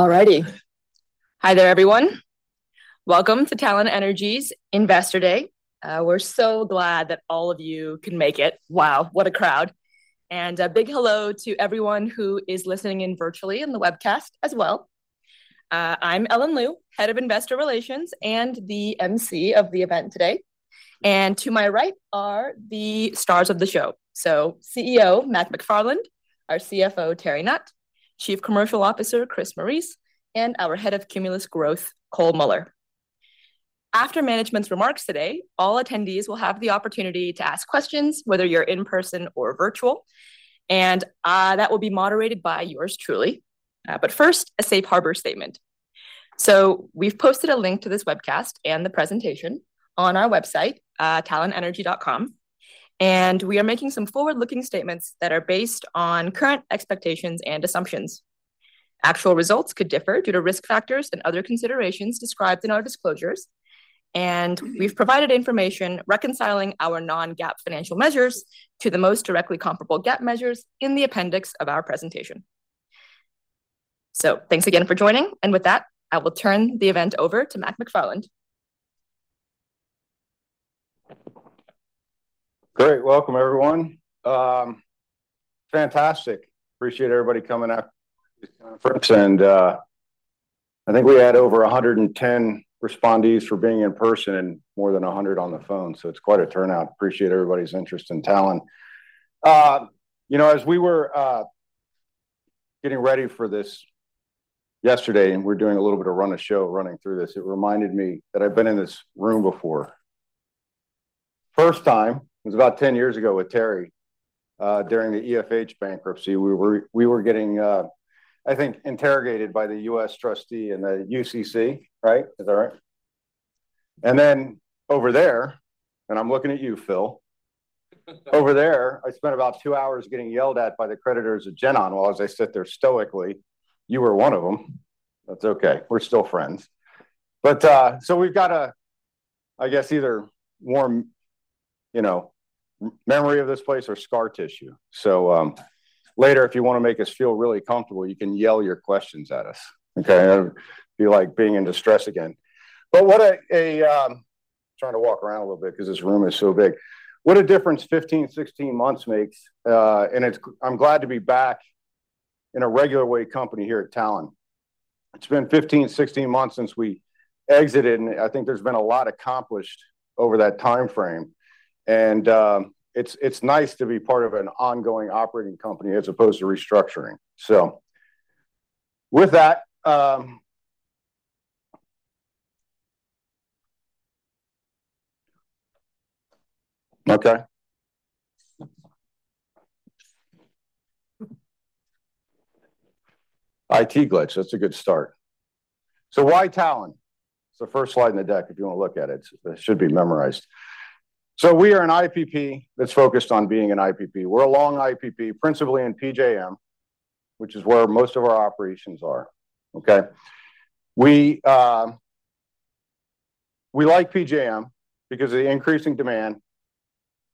All righty. Hi there, everyone. Welcome to Talen Energy's Investor Day. We're so glad that all of you can make it. Wow, what a crowd! And a big hello to everyone who is listening in virtually in the webcast as well. I'm Ellen Liu, Head of Investor Relations and the MC of the event today. And to my right are the stars of the show, so CEO Mac McFarland, our CFO Terry Nutt, Chief Commercial Officer Chris Morice, and our Head of Cumulus Growth Cole Muller. After management's remarks today, all attendees will have the opportunity to ask questions, whether you're in person or virtual, and that will be moderated by yours truly. But first, a safe harbor statement. So we've posted a link to this webcast and the presentation on our website, TalenEnergy.com, and we are making some forward-looking statements that are based on current expectations and assumptions. Actual results could differ due to risk factors and other considerations described in our disclosures, and we've provided information reconciling our non-GAAP financial measures to the most directly comparable GAAP measures in the appendix of our presentation. So thanks again for joining, and with that, I will turn the event over to Mac McFarland. Great. Welcome, everyone. Fantastic. Appreciate everybody coming out, and I think we had over 110 attendees for being in person and more than 100 on the phone, so it's quite a turnout. Appreciate everybody's interest in Talen. You know, as we were getting ready for this yesterday, and we're doing a little bit of run of show, running through this, it reminded me that I've been in this room before. First time was about 10 years ago with Terry during the EFH bankruptcy. We were getting, I think, interrogated by the U.S. Trustee and the UCC, right? Is that right? And then over there, and I'm looking at you, Phil. Over there, I spent about 2 hours getting yelled at by the creditors of GenOn, while as I sat there stoically. You were one of them. That's okay, we're still friends. But, so we've got a, I guess, either warm, you know, memory of this place or scar tissue. So, later, if you want to make us feel really comfortable, you can yell your questions at us, okay? It'll be like being in distress again. But what a... Trying to walk around a little bit because this room is so big. What a difference 15, 16 months makes, and it's. I'm glad to be back in a regular way company here at Talen. It's been 15, 16 months since we exited, and I think there's been a lot accomplished over that timeframe, and, it's, it's nice to be part of an ongoing operating company as opposed to restructuring. So with that... Okay. IT glitch, that's a good start. So why Talen? It's the first slide in the deck, if you want to look at it. It should be memorized, so we are an IPP that's focused on being an IPP. We're a long IPP, principally in PJM, which is where most of our operations are, okay? We like PJM because of the increasing demand,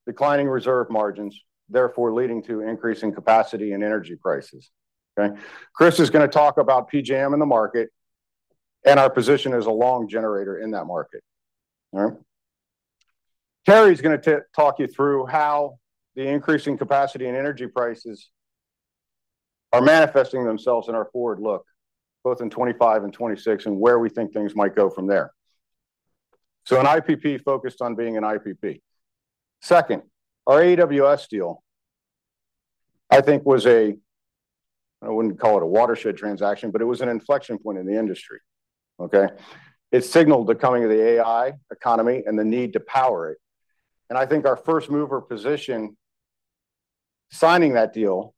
declining reserve margins, therefore leading to increasing capacity and energy prices, okay? Chris is going to talk about PJM in the market and our position as a long generator in that market. All right? Terry is going to talk you through how the increasing capacity and energy prices are manifesting themselves in our forward look, both in 2025 and 2026, and where we think things might go from there. So an IPP focused on being an IPP. Second, our AWS deal, I think, was a, I wouldn't call it a watershed transaction, but it was an inflection point in the industry, okay? It signaled the coming of the AI economy and the need to power it, and I think our first mover position, signing that deal,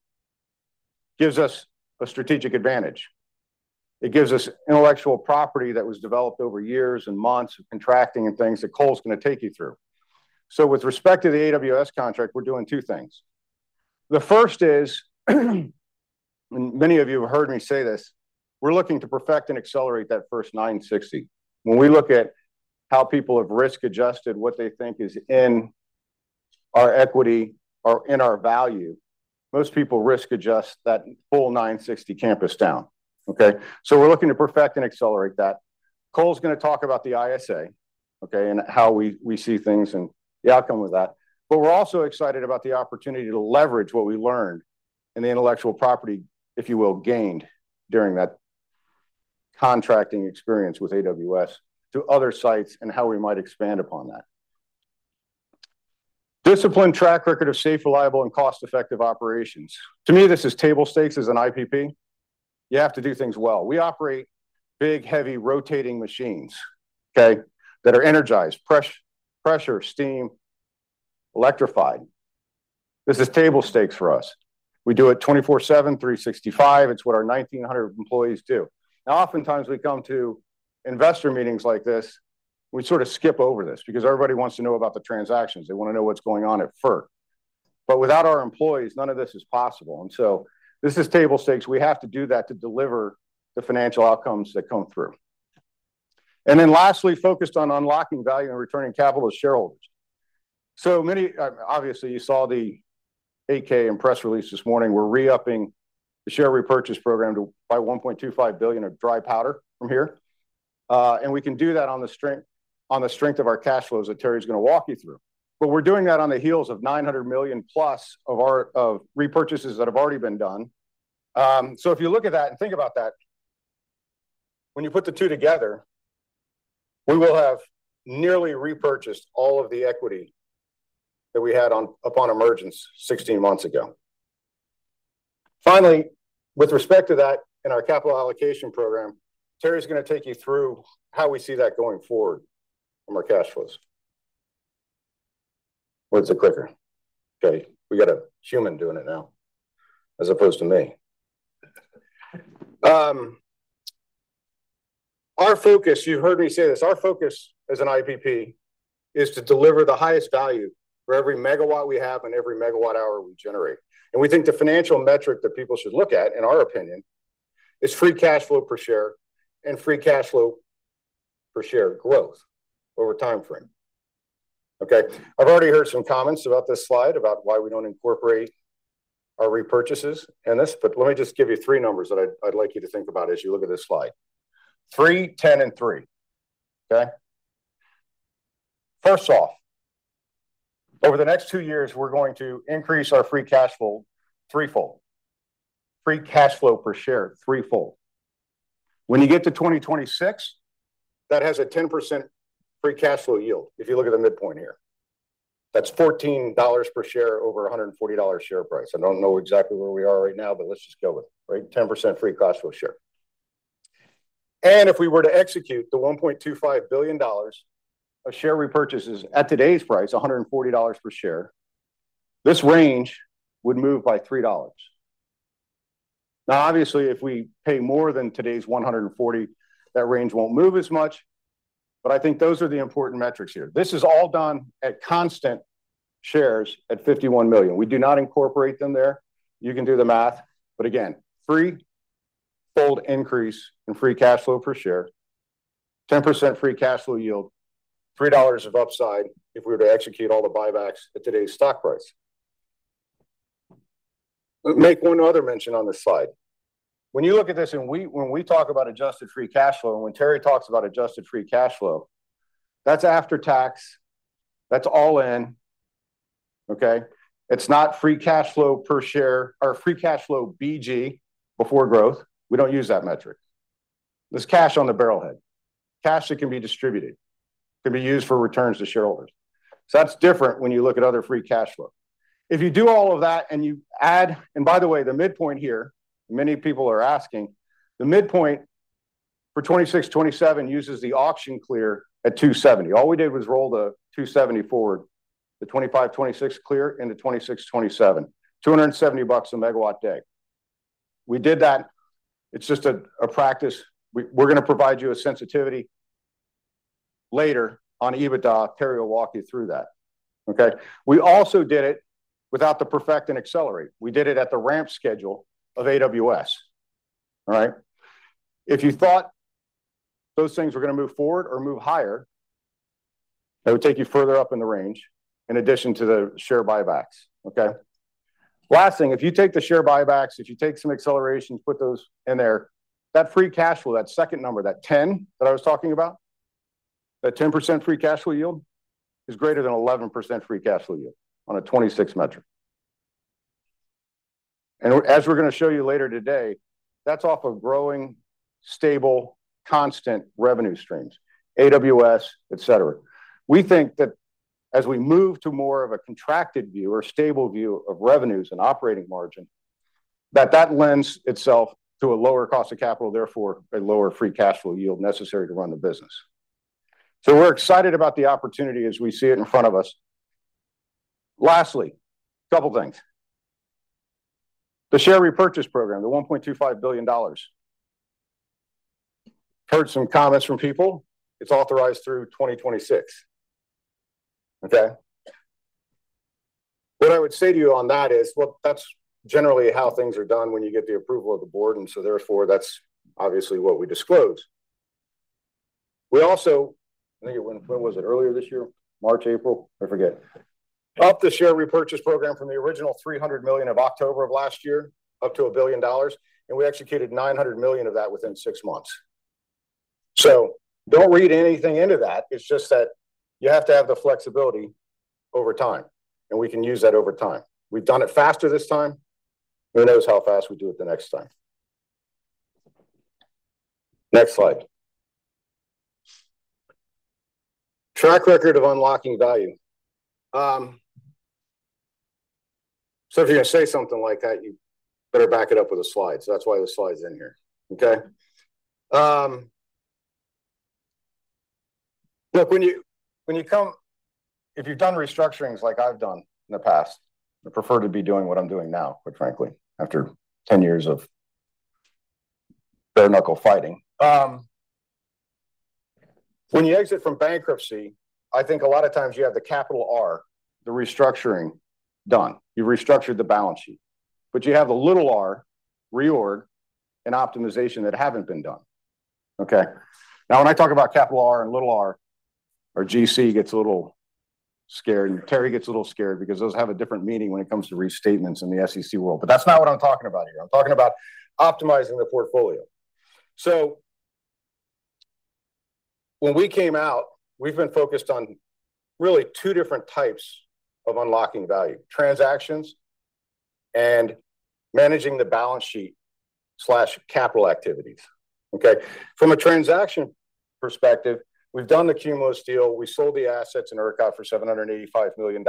gives us a strategic advantage. It gives us intellectual property that was developed over years and months of contracting and things that Cole's going to take you through, so with respect to the AWS contract, we're doing two things. The first is, and many of you have heard me say this, we're looking to perfect and accelerate that first 960. When we look at how people have risk-adjusted what they think is in our equity or in our value, most people risk-adjust that full 960 campus down, okay, so we're looking to perfect and accelerate that. Cole's going to talk about the ISA, okay, and how we see things and the outcome of that. But we're also excited about the opportunity to leverage what we learned in the intellectual property, if you will, gained during that contracting experience with AWS to other sites and how we might expand upon that. Disciplined track record of safe, reliable, and cost-effective operations. To me, this is table stakes as an IPP. You have to do things well. We operate big, heavy, rotating machines, okay, that are energized, pressure, steam, electrified. This is table stakes for us. We do it 24/7, 365. It's what our 1,900 employees do. Now, oftentimes, we come to investor meetings like this, we sort of skip over this because everybody wants to know about the transactions. They want to know what's going on at FERC. But without our employees, none of this is possible, and so this is table stakes. We have to do that to deliver the financial outcomes that come through. And then lastly, focused on unlocking value and returning capital to shareholders. So many, obviously, you saw the 8-K and press release this morning. We're re-upping the share repurchase program to buy $1.25 billion of dry powder from here. And we can do that on the strength of our cash flows that Terry's gonna walk you through. But we're doing that on the heels of $900 million plus of repurchases that have already been done. So if you look at that and think about that, when you put the two together, we will have nearly repurchased all of the equity that we had upon emergence 16 months ago. Finally, with respect to that in our capital allocation program, Terry's gonna take you through how we see that going forward from our cash flows. Where's the clicker? Okay, we got a human doing it now, as opposed to me. Our focus, you heard me say this, our focus as an IPP is to deliver the highest value for every MW we have and every MWh we generate. And we think the financial metric that people should look at, in our opinion, is free cash flow per share and free cash flow per share growth over time frame. Okay, I've already heard some comments about this slide, about why we don't incorporate our repurchases in this, but let me just give you three numbers that I'd like you to think about as you look at this slide: three, 10, and three, okay? First off, over the next two years, we're going to increase our Free Cash Flow threefold. Free Cash Flow per share, threefold. When you get to 2026, that has a 10% Free Cash Flow yield, if you look at the midpoint here. That's $14 per share over a $140 share price. I don't know exactly where we are right now, but let's just go with it, right? 10% Free Cash Flow share. And if we were to execute the $1.25 billion of share repurchases at today's price, a $140 per share, this range would move by $3. Now, obviously, if we pay more than today's $140, that range won't move as much, but I think those are the important metrics here. This is all done at constant shares at 51 million. We do not incorporate them there. You can do the math, but again, threefold increase in free cash flow per share, 10% free cash flow yield, $3 of upside if we were to execute all the buybacks at today's stock price. Make one other mention on this slide. When you look at this, and when we talk about adjusted free cash flow, and when Terry talks about adjusted free cash flow, that's after tax, that's all in, okay? It's not free cash flow per share or free cash flow BG, before growth. We don't use that metric. This cash on the barrel head, cash that can be distributed, can be used for returns to shareholders. So that's different when you look at other free cash flow. If you do all of that and you add and by the way, the midpoint here, many people are asking, the midpoint for 2026, 2027 uses the auction clear at $270. All we did was roll the $270 forward, the 2025, 2026 clear into 2026, 2027. $270 a MW-day. We did that. It's just a practice. We're gonna provide you a sensitivity later on EBITDA. Terry will walk you through that, okay? We also did it without the perfect and accelerate. We did it at the ramp schedule of AWS, all right? If you thought those things were gonna move forward or move higher, that would take you further up in the range, in addition to the share buybacks, okay? Last thing, if you take the share buybacks, if you take some accelerations, put those in there, that free cash flow, that second number, that 10 that I was talking about, that 10% free cash flow yield, is greater than 11% free cash flow yield on a 26 metric, and as we're gonna show you later today, that's off of growing, stable, constant revenue streams, AWS, et cetera. We think that as we move to more of a contracted view or stable view of revenues and operating margin, that that lends itself to a lower cost of capital, therefore, a lower free cash flow yield necessary to run the business, so we're excited about the opportunity as we see it in front of us. Lastly, couple things. The share repurchase program, the $1.25 billion. Heard some comments from people. It's authorized through 2026, okay? What I would say to you on that is, well, that's generally how things are done when you get the approval of the board, and so therefore, that's obviously what we disclose. We also, I think, when was it? Earlier this year, March, April, I forget. Upped the share repurchase program from the original $300 million of October of last year, up to $1 billion, and we executed $900 million of that within six months. So don't read anything into that. It's just that you have to have the flexibility over time, and we can use that over time. We've done it faster this time. Who knows how fast we'll do it the next time? Next slide. Track record of unlocking value. So if you're gonna say something like that, you better back it up with a slide. So that's why this slide is in here, okay? Look, when you come. If you've done restructurings like I've done in the past, I prefer to be doing what I'm doing now, quite frankly, after 10 years of bare-knuckle fighting. When you exit from bankruptcy, I think a lot of times you have the capital R, the restructuring, done. You restructured the balance sheet. But you have a little R, reorg, and optimization that haven't been done, okay? Now, when I talk about capital R and little R, our GC gets a little scared, and Terry gets a little scared because those have a different meaning when it comes to restatements in the SEC world. But that's not what I'm talking about here. I'm talking about optimizing the portfolio. So when we came out, we've been focused on really two different types of unlocking value: transactions and managing the balance sheet/capital activities, okay? From a transaction perspective, we've done the Cumulus deal, we sold the assets in ERCOT for $785 million.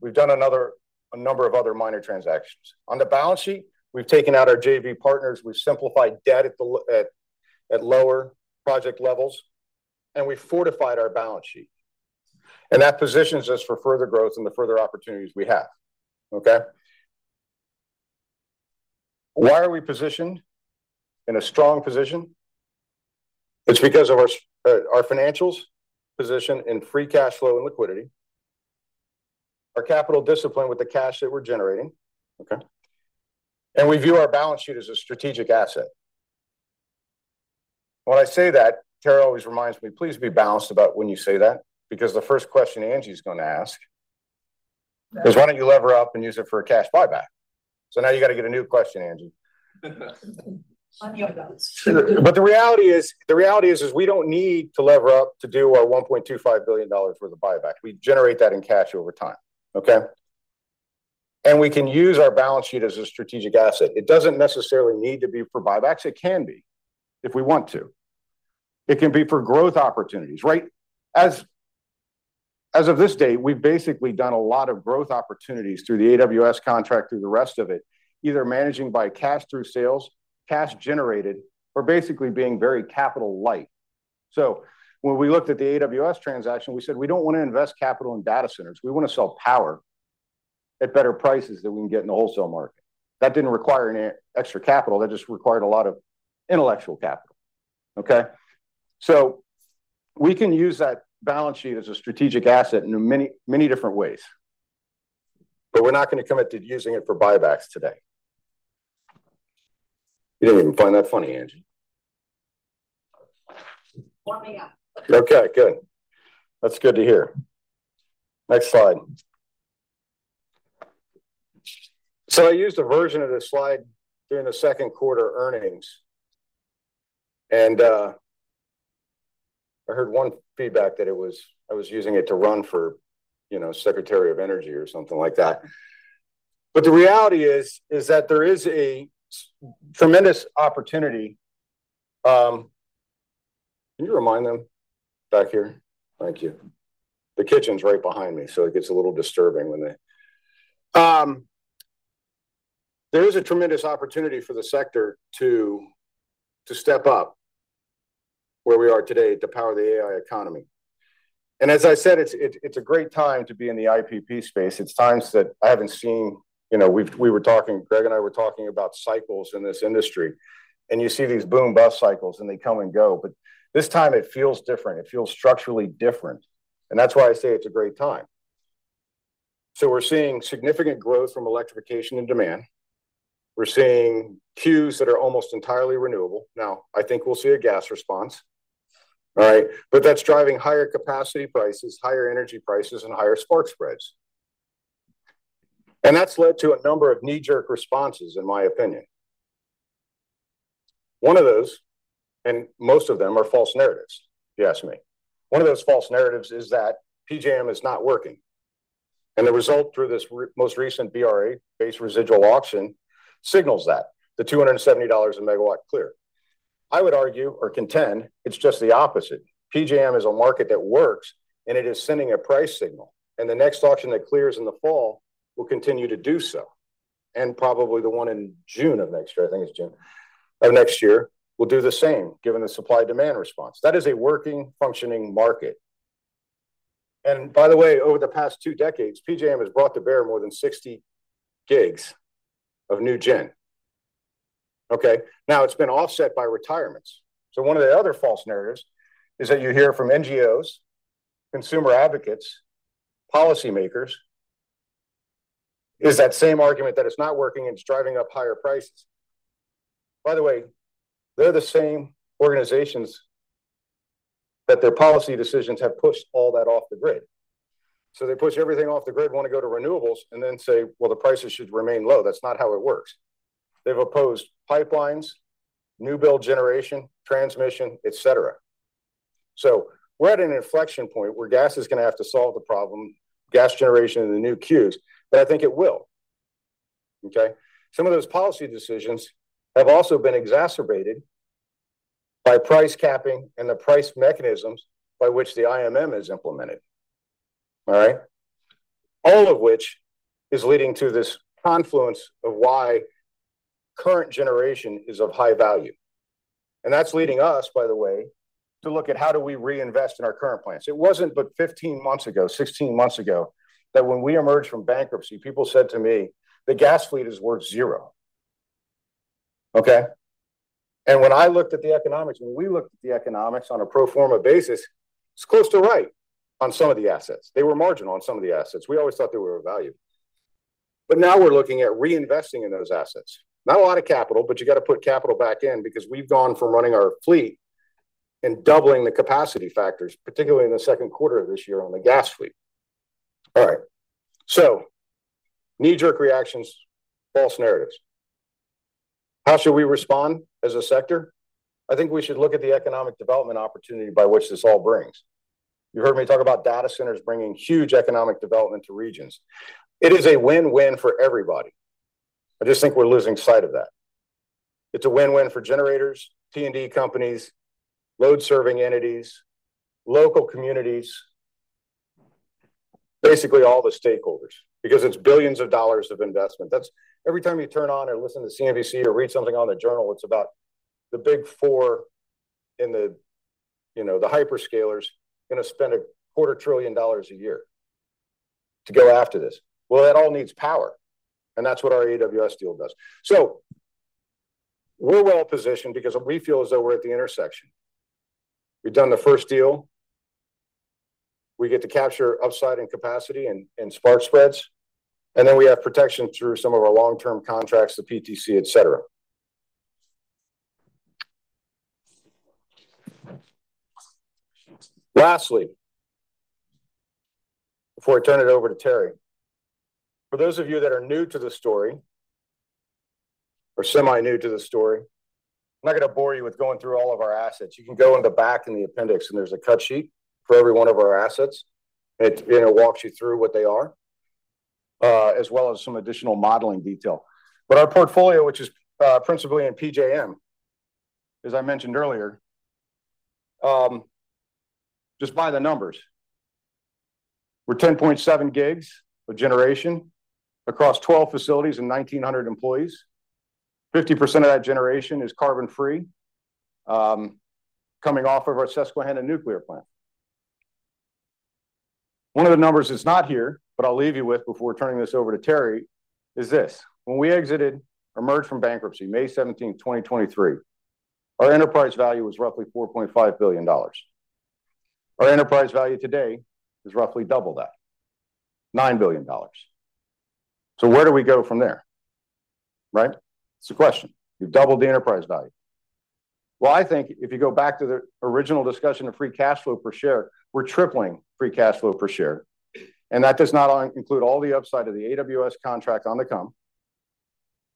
We've done a number of other minor transactions. On the balance sheet, we've taken out our JV partners, we've simplified debt at the lower project levels, and we fortified our balance sheet, and that positions us for further growth and the further opportunities we have, okay? Why are we positioned in a strong position? It's because of our financials position in free cash flow and liquidity, our capital discipline with the cash that we're generating, okay? And we view our balance sheet as a strategic asset. When I say that, Terry always reminds me, "Please be balanced about when you say that, because the first question Angie's gonna ask is, 'Why don't you lever up and use it for a cash buyback?'" So now you got to get a new question, Angie. On your balance. But the reality is, we don't need to lever up to do our $1.25 billion worth of buyback. We generate that in cash over time, okay? And we can use our balance sheet as a strategic asset. It doesn't necessarily need to be for buybacks. It can be, if we want to. It can be for growth opportunities, right? As of this date, we've basically done a lot of growth opportunities through the AWS contract, through the rest of it, either managing by cash through sales, cash generated, or basically being very capital light. So when we looked at the AWS transaction, we said, "We don't want to invest capital in data centers. We want to sell power at better prices than we can get in the wholesale market." That didn't require any extra capital, that just required a lot of intellectual capital, okay? So we can use that balance sheet as a strategic asset in many, many different ways, but we're not going to commit to using it for buybacks today. You didn't even find that funny, Angie. Warm me up. Okay, good. That's good to hear. Next slide. So I used a version of this slide during the second quarter earnings, and I heard one feedback that it was-- I was using it to run for, you know, Secretary of Energy or something like that. But the reality is that there is a tremendous opportunity. Can you remind them back here? Thank you. The kitchen's right behind me, so it gets a little disturbing when they... There is a tremendous opportunity for the sector to step up where we are today to power the AI economy. And as I said, it's a great time to be in the IPP space. It's times that I haven't seen... You know, we were talking, Greg and I were talking about cycles in this industry, and you see these boom-bust cycles, and they come and go, but this time it feels different. It feels structurally different, and that's why I say it's a great time. So we're seeing significant growth from electrification and demand. We're seeing queues that are almost entirely renewable. Now, I think we'll see a gas response, all right? But that's driving higher capacity prices, higher energy prices, and higher spark spreads. And that's led to a number of knee-jerk responses, in my opinion. One of those, and most of them are false narratives, if you ask me. One of those false narratives is that PJM is not working, and the result through this most recent BRA, Base Residual Auction, signals that, the $270 a MW clear. I would argue or contend it's just the opposite. PJM is a market that works, and it is sending a price signal, and the next auction that clears in the fall will continue to do so. And probably the one in June of next year, I think it's June, of next year, will do the same, given the supply-demand response. That is a working, functioning market. And by the way, over the past two decades, PJM has brought to bear more than 60 GW of new gen, okay? Now, it's been offset by retirements. So one of the other false narratives is that you hear from NGOs, consumer advocates, policymakers, is that same argument that it's not working and it's driving up higher prices. By the way, they're the same organizations that their policy decisions have pushed all that off the grid. So they push everything off the grid, want to go to renewables, and then say, "Well, the prices should remain low." That's not how it works. They've opposed pipelines, new build generation, transmission, et cetera. So we're at an inflection point where gas is going to have to solve the problem, gas generation and the new queues, but I think it will, okay? Some of those policy decisions have also been exacerbated by price capping and the price mechanisms by which the IMM is implemented, all right? All of which is leading to this confluence of why current generation is of high value. And that's leading us, by the way, to look at how do we reinvest in our current plants. It wasn't but 15 months ago, 16 months ago, that when we emerged from bankruptcy, people said to me, "The gas fleet is worth zero."... Okay? And when I looked at the economics, when we looked at the economics on a pro forma basis, it's close to right on some of the assets. They were marginal on some of the assets. We always thought they were of value. But now we're looking at reinvesting in those assets. Not a lot of capital, but you got to put capital back in because we've gone from running our fleet and doubling the capacity factors, particularly in the second quarter of this year on the gas fleet. All right, so knee-jerk reactions, false narratives. How should we respond as a sector? I think we should look at the economic development opportunity by which this all brings. You heard me talk about data centers bringing huge economic development to regions. It is a win-win for everybody. I just think we're losing sight of that. It's a win-win for generators, T&D companies, load-serving entities, local communities, basically all the stakeholders, because it's billions of dollars of investment. That's. Every time you turn on or listen to CNBC or read something on the Journal, it's about the big four and the, you know, the hyperscalers going to spend a quarter trillion dollars a year to go after this, well, that all needs power, and that's what our AWS deal does, so we're well positioned because we feel as though we're at the intersection. We've done the first deal. We get to capture upside in capacity and spark spreads, and then we have protection through some of our long-term contracts, the PTC, et cetera. Lastly, before I turn it over to Terry, for those of you that are new to the story or semi-new to the story, I'm not going to bore you with going through all of our assets. You can go in the back in the appendix, and there's a cut sheet for every one of our assets. It, you know, walks you through what they are, as well as some additional modeling detail. But our portfolio, which is principally in PJM, as I mentioned earlier, just by the numbers, we're 10.7 GW of generation across 12 facilities and 1,900 employees. 50% of that generation is carbon-free, coming off of our Susquehanna nuclear plant. One of the numbers that's not here, but I'll leave you with before turning this over to Terry, is this: when we exited, emerged from bankruptcy May seventeenth, 2023, our enterprise value was roughly $4.5 billion. Our enterprise value today is roughly double that, $9 billion. So where do we go from there, right? It's a question. You've doubled the enterprise value. Well, I think if you go back to the original discussion of free cash flow per share, we're tripling free cash flow per share, and that does not include all the upside of the AWS contract on the come.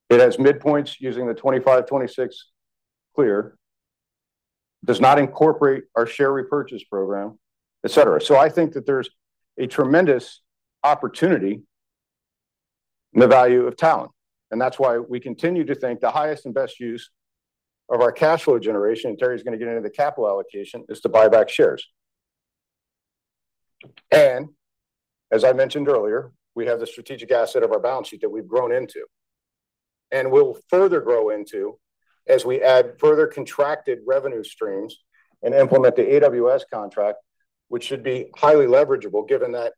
It has midpoints using the 2025, 2026 curve, does not incorporate our share repurchase program, et cetera. I think that there's a tremendous opportunity in the value of Talen, and that's why we continue to think the highest and best use of our cash flow generation, Terry's going to get into the capital allocation, is to buy back shares. And as I mentioned earlier, we have the strategic asset of our balance sheet that we've grown into and will further grow into as we add further contracted revenue streams and implement the AWS contract, which should be highly leverageable, given that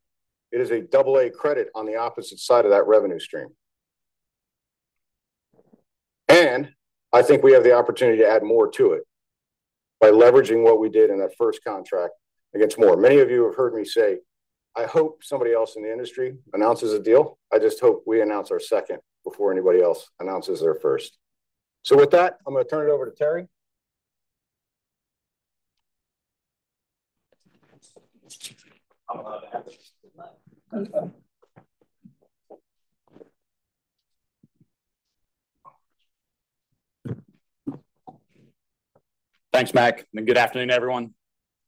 it is a double A credit on the opposite side of that revenue stream. And I think we have the opportunity to add more to it by leveraging what we did in that first contract against more. Many of you have heard me say, I hope somebody else in the industry announces a deal. I just hope we announce our second before anybody else announces their first, so with that, I'm going to turn it over to Terry. Thanks, Mac, and good afternoon, everyone.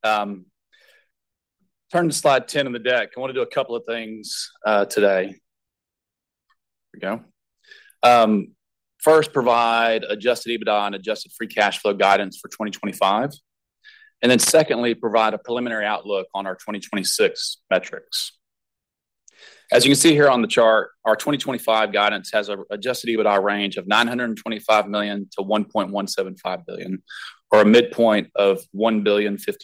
Turn to slide 10 on the deck. I want to do a couple of things, today. First, provide adjusted EBITDA and adjusted free cash flow guidance for 2025, and then secondly, provide a preliminary outlook on our 2026 metrics. As you can see here on the chart, our 2025 guidance has a adjusted EBITDA range of $925 million-$1.175 billion, or a midpoint of $1.05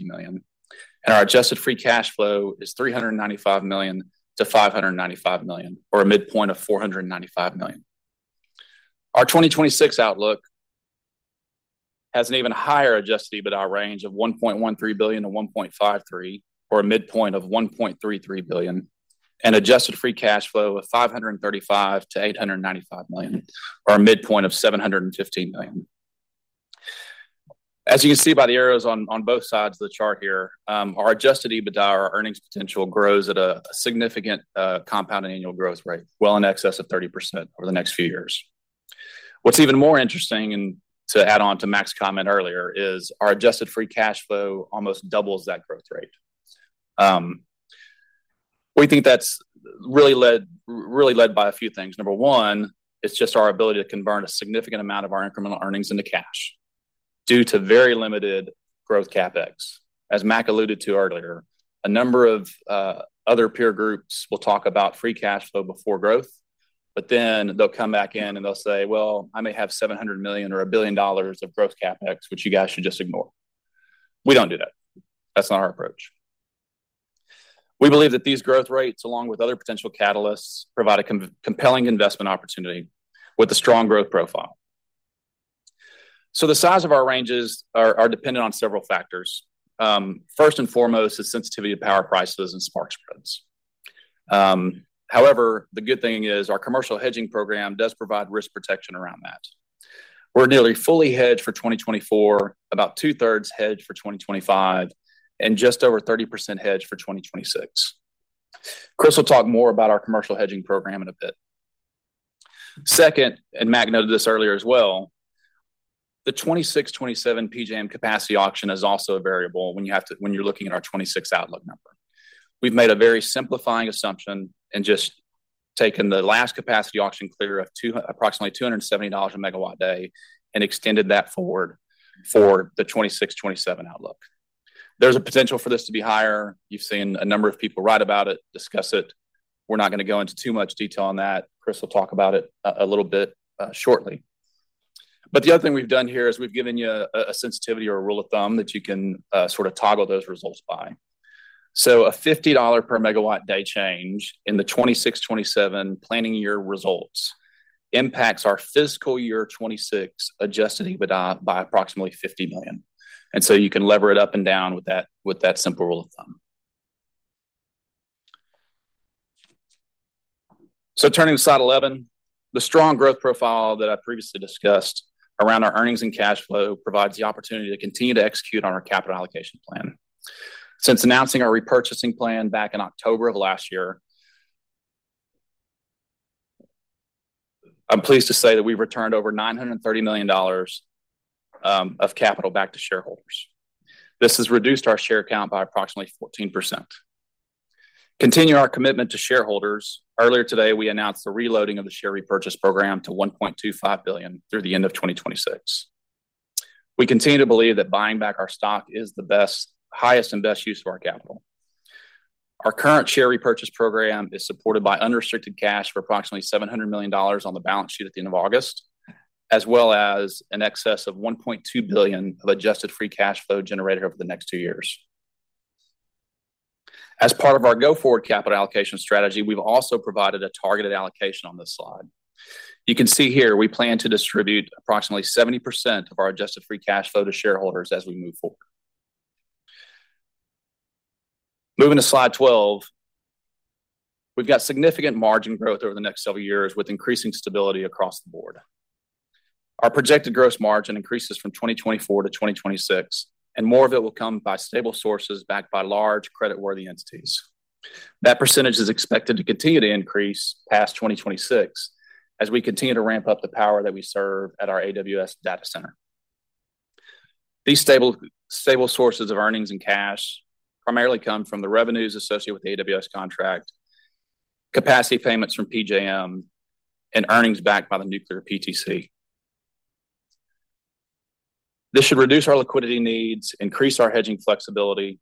billion, and our adjusted free cash flow is $395 million-$595 million, or a midpoint of $495 million. Our 2026 outlook has an even higher adjusted EBITDA range of $1.13 billion-$1.53 billion, or a midpoint of $1.33 billion, and adjusted free cash flow of $535 million-$895 million, or a midpoint of $715 million. As you can see by the arrows on both sides of the chart here, our adjusted EBITDA, our earnings potential grows at a significant compounding annual growth rate, well in excess of 30% over the next few years. What's even more interesting, and to add on to Mac's comment earlier, is our adjusted free cash flow almost doubles that growth rate. We think that's really led by a few things. Number one, it's just our ability to convert a significant amount of our incremental earnings into cash due to very limited growth CapEx. As Mac alluded to earlier, a number of other peer groups will talk about free cash flow before growth, but then they'll come back in, and they'll say, "Well, I may have $700 million or $1 billion of growth CapEx, which you guys should just ignore." We don't do that. That's not our approach.... We believe that these growth rates, along with other potential catalysts, provide a compelling investment opportunity with a strong growth profile. So the size of our ranges are dependent on several factors. First and foremost, is sensitivity to power prices and spark spreads. However, the good thing is our commercial hedging program does provide risk protection around that. We're nearly fully hedged for 2024, about 2/3 hedged for 2025, and just over 30% hedged for 2026. Chris will talk more about our commercial hedging program in a bit. Second, and Matt noted this earlier as well, the 2026, 2027 PJM capacity auction is also a variable when you're looking at our 2026 outlook number. We've made a very simplifying assumption and just taken the last capacity auction clear of approximately $270 a MW day, and extended that forward for the 2026, 2027 outlook. There's a potential for this to be higher. You've seen a number of people write about it, discuss it. We're not gonna go into too much detail on that. Chris will talk about it a little bit shortly. But the other thing we've done here is we've given you a sensitivity or a rule of thumb that you can sort of toggle those results by. So a $50/MW day change in the 2026-2027 planning year results impacts our fiscal year 2026 adjusted EBITDA by approximately $50 million. And so you can lever it up and down with that simple rule of thumb. So turning to slide 11. The strong growth profile that I previously discussed around our earnings and cash flow provides the opportunity to continue to execute on our capital allocation plan. Since announcing our repurchasing plan back in October of last year, I'm pleased to say that we've returned over $930 million of capital back to shareholders. This has reduced our share count by approximately 14%. Continue our commitment to shareholders. Earlier today, we announced the reloading of the share repurchase program to $1.25 billion through the end of 2026. We continue to believe that buying back our stock is the best, highest, and best use of our capital. Our current share repurchase program is supported by unrestricted cash for approximately $700 million on the balance sheet at the end of August, as well as an excess of $1.2 billion of adjusted free cash flow generated over the next two years. As part of our go-forward capital allocation strategy, we've also provided a targeted allocation on this slide. You can see here we plan to distribute approximately 70% of our adjusted free cash flow to shareholders as we move forward. Moving to slide 12. We've got significant margin growth over the next several years, with increasing stability across the board. Our projected gross margin increases from 2024 to 2026, and more of it will come by stable sources backed by large creditworthy entities. That percentage is expected to continue to increase past 2026, as we continue to ramp up the power that we serve at our AWS data center. These stable, stable sources of earnings and cash primarily come from the revenues associated with the AWS contract, capacity payments from PJM, and earnings backed by the nuclear PTC. This should reduce our liquidity needs, increase our hedging flexibility,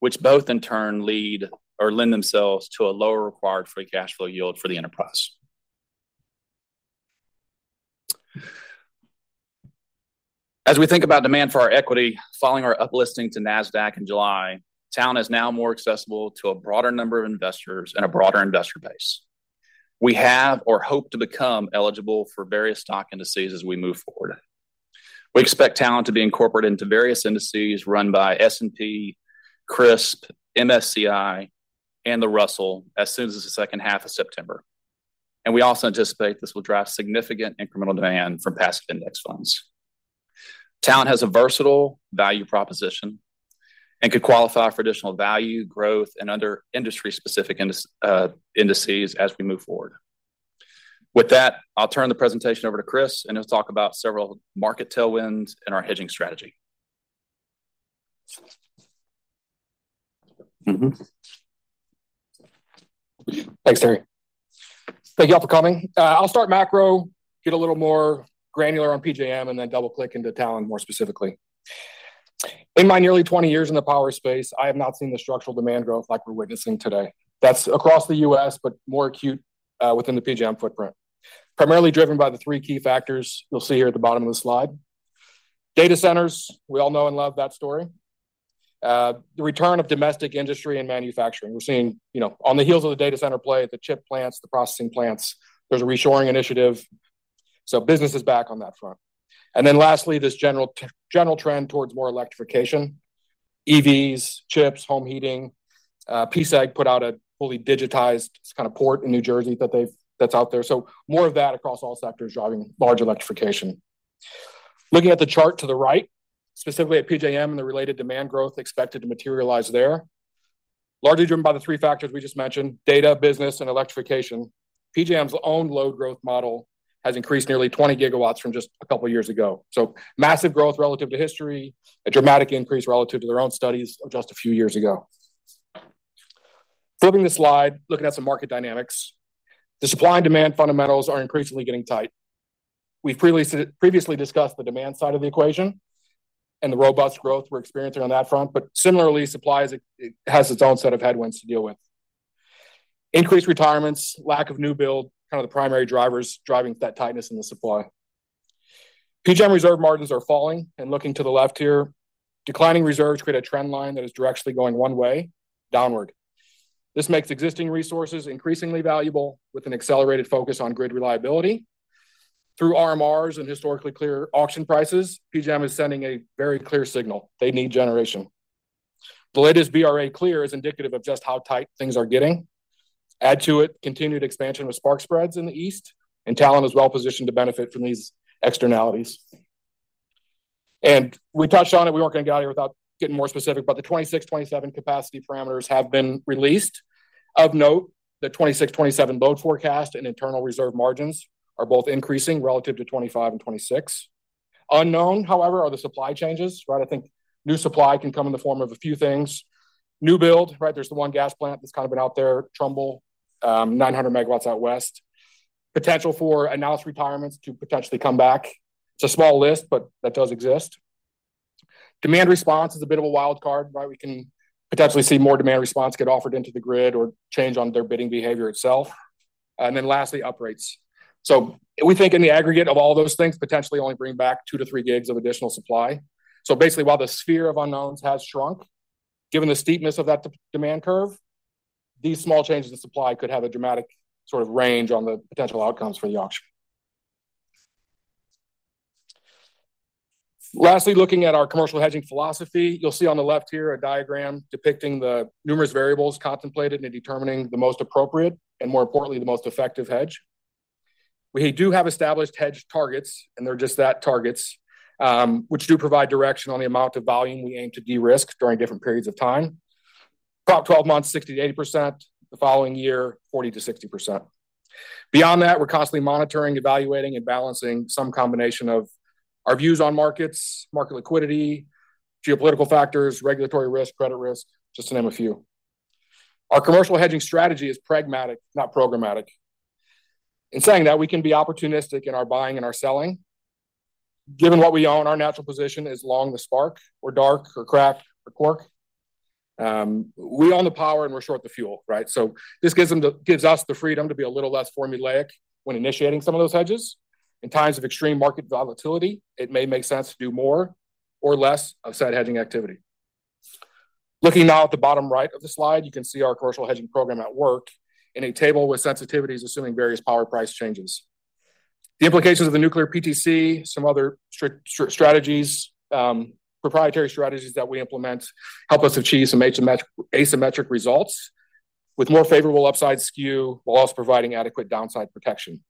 which both in turn lead or lend themselves to a lower required free cash flow yield for the enterprise. As we think about demand for our equity, following our uplisting to NASDAQ in July, Talen is now more accessible to a broader number of investors and a broader investor base. We have or hope to become eligible for various stock indices as we move forward. We expect Talen to be incorporated into various indices run by S&P, CRSP, MSCI, and the Russell, as soon as the second half of September. And we also anticipate this will drive significant incremental demand from passive index funds. Talen has a versatile value proposition and could qualify for additional value, growth, and other industry-specific indices as we move forward. With that, I'll turn the presentation over to Chris, and he'll talk about several market tailwinds and our hedging strategy. Mm-hmm. Thanks, Terry. Thank you all for coming. I'll start macro, get a little more granular on PJM, and then double-click into Talen, more specifically. In my nearly 20 years in the power space, I have not seen the structural demand growth like we're witnessing today. That's across the U.S., but more acute within the PJM footprint. Primarily driven by the three key factors you'll see here at the bottom of the slide. Data centers, we all know and love that story. The return of domestic industry and manufacturing. We're seeing, you know, on the heels of the data center play, the chip plants, the processing plants, there's a reshoring initiative. So business is back on that front. And then lastly, this general trend towards more electrification, EVs, chips, home heating. PSEG put out a fully digitized kind of port in New Jersey that they've that's out there. So more of that across all sectors, driving large electrification. Looking at the chart to the right, specifically at PJM and the related demand growth expected to materialize there, largely driven by the three factors we just mentioned: data, business, and electrification. PJM's own load growth model has increased nearly 20 GW from just a couple years ago. So massive growth relative to history, a dramatic increase relative to their own studies of just a few years ago. Flipping the slide, looking at some market dynamics. The supply and demand fundamentals are increasingly getting tight. We've previously discussed the demand side of the equation and the robust growth we're experiencing on that front, but similarly, supply is, it has its own set of headwinds to deal with. Increased retirements, lack of new build, kind of the primary drivers driving that tightness in the supply. PJM reserve margins are falling, and looking to the left here, declining reserves create a trend line that is directly going one way, downward. This makes existing resources increasingly valuable, with an accelerated focus on grid reliability. Through RMRs and historically clear auction prices, PJM is sending a very clear signal: they need generation. The latest BRA clear is indicative of just how tight things are getting. Add to it, continued expansion of spark spreads in the east, and Talen is well positioned to benefit from these externalities. We touched on it, we weren't going to get out here without getting more specific, but the 2026-2027 capacity parameters have been released. Of note, the 2026-2027 load forecast and internal reserve margins are both increasing relative to 2025-2026. Unknown, however, are the supply changes, right? I think new supply can come in the form of a few things. New build, right? There's the one gas plant that's kind of been out there, Trumbull, 900 MW out west. Potential for announced retirements to potentially come back. It's a small list, but that does exist. Demand response is a bit of a wild card, right? We can potentially see more demand response get offered into the grid or change on their bidding behavior itself. And then lastly, uprates. So we think in the aggregate of all those things, potentially only bring back two to three GW of additional supply. So basically, while the sphere of unknowns has shrunk, given the steepness of that demand curve, these small changes in supply could have a dramatic sort of range on the potential outcomes for the auction. Lastly, looking at our commercial hedging philosophy, you'll see on the left here a diagram depicting the numerous variables contemplated in determining the most appropriate, and more importantly, the most effective hedge. We do have established hedge targets, and they're just that, targets, which do provide direction on the amount of volume we aim to de-risk during different periods of time. About 12 months, 60%-80%, the following year, 40%-60%. Beyond that, we're constantly monitoring, evaluating, and balancing some combination of our views on markets, market liquidity, geopolitical factors, regulatory risk, credit risk, just to name a few. Our commercial hedging strategy is pragmatic, not programmatic. In saying that, we can be opportunistic in our buying and our selling. Given what we own, our natural position is long the spark, or dark, or crack, or cork. We own the power and we're short the fuel, right? So this gives us the freedom to be a little less formulaic when initiating some of those hedges. In times of extreme market volatility, it may make sense to do more or less of said hedging activity. Looking now at the bottom right of the slide, you can see our commercial hedging program at work in a table with sensitivities assuming various power price changes. The implications of the nuclear PTC, some other strategies, proprietary strategies that we implement, help us achieve some asymmetric results with more favorable upside skew, while also providing adequate downside protection.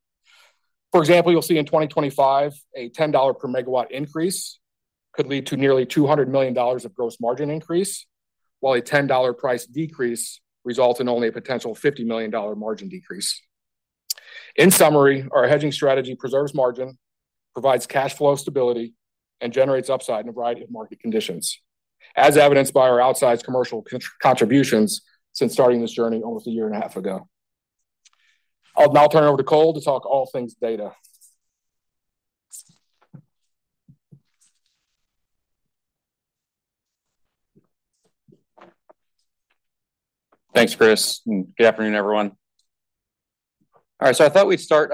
For example, you'll see in 2025, a $10/MW increase could lead to nearly $200 million of gross margin increase, while a $10 price decrease results in only a potential $50 million margin decrease. In summary, our hedging strategy preserves margin, provides cash flow stability, and generates upside in a variety of market conditions, as evidenced by our outsized commercial contributions since starting this journey almost a year and a half ago. I'll now turn it over to Cole to talk all things data. Thanks, Chris, and good afternoon, everyone. All right, so I thought we'd start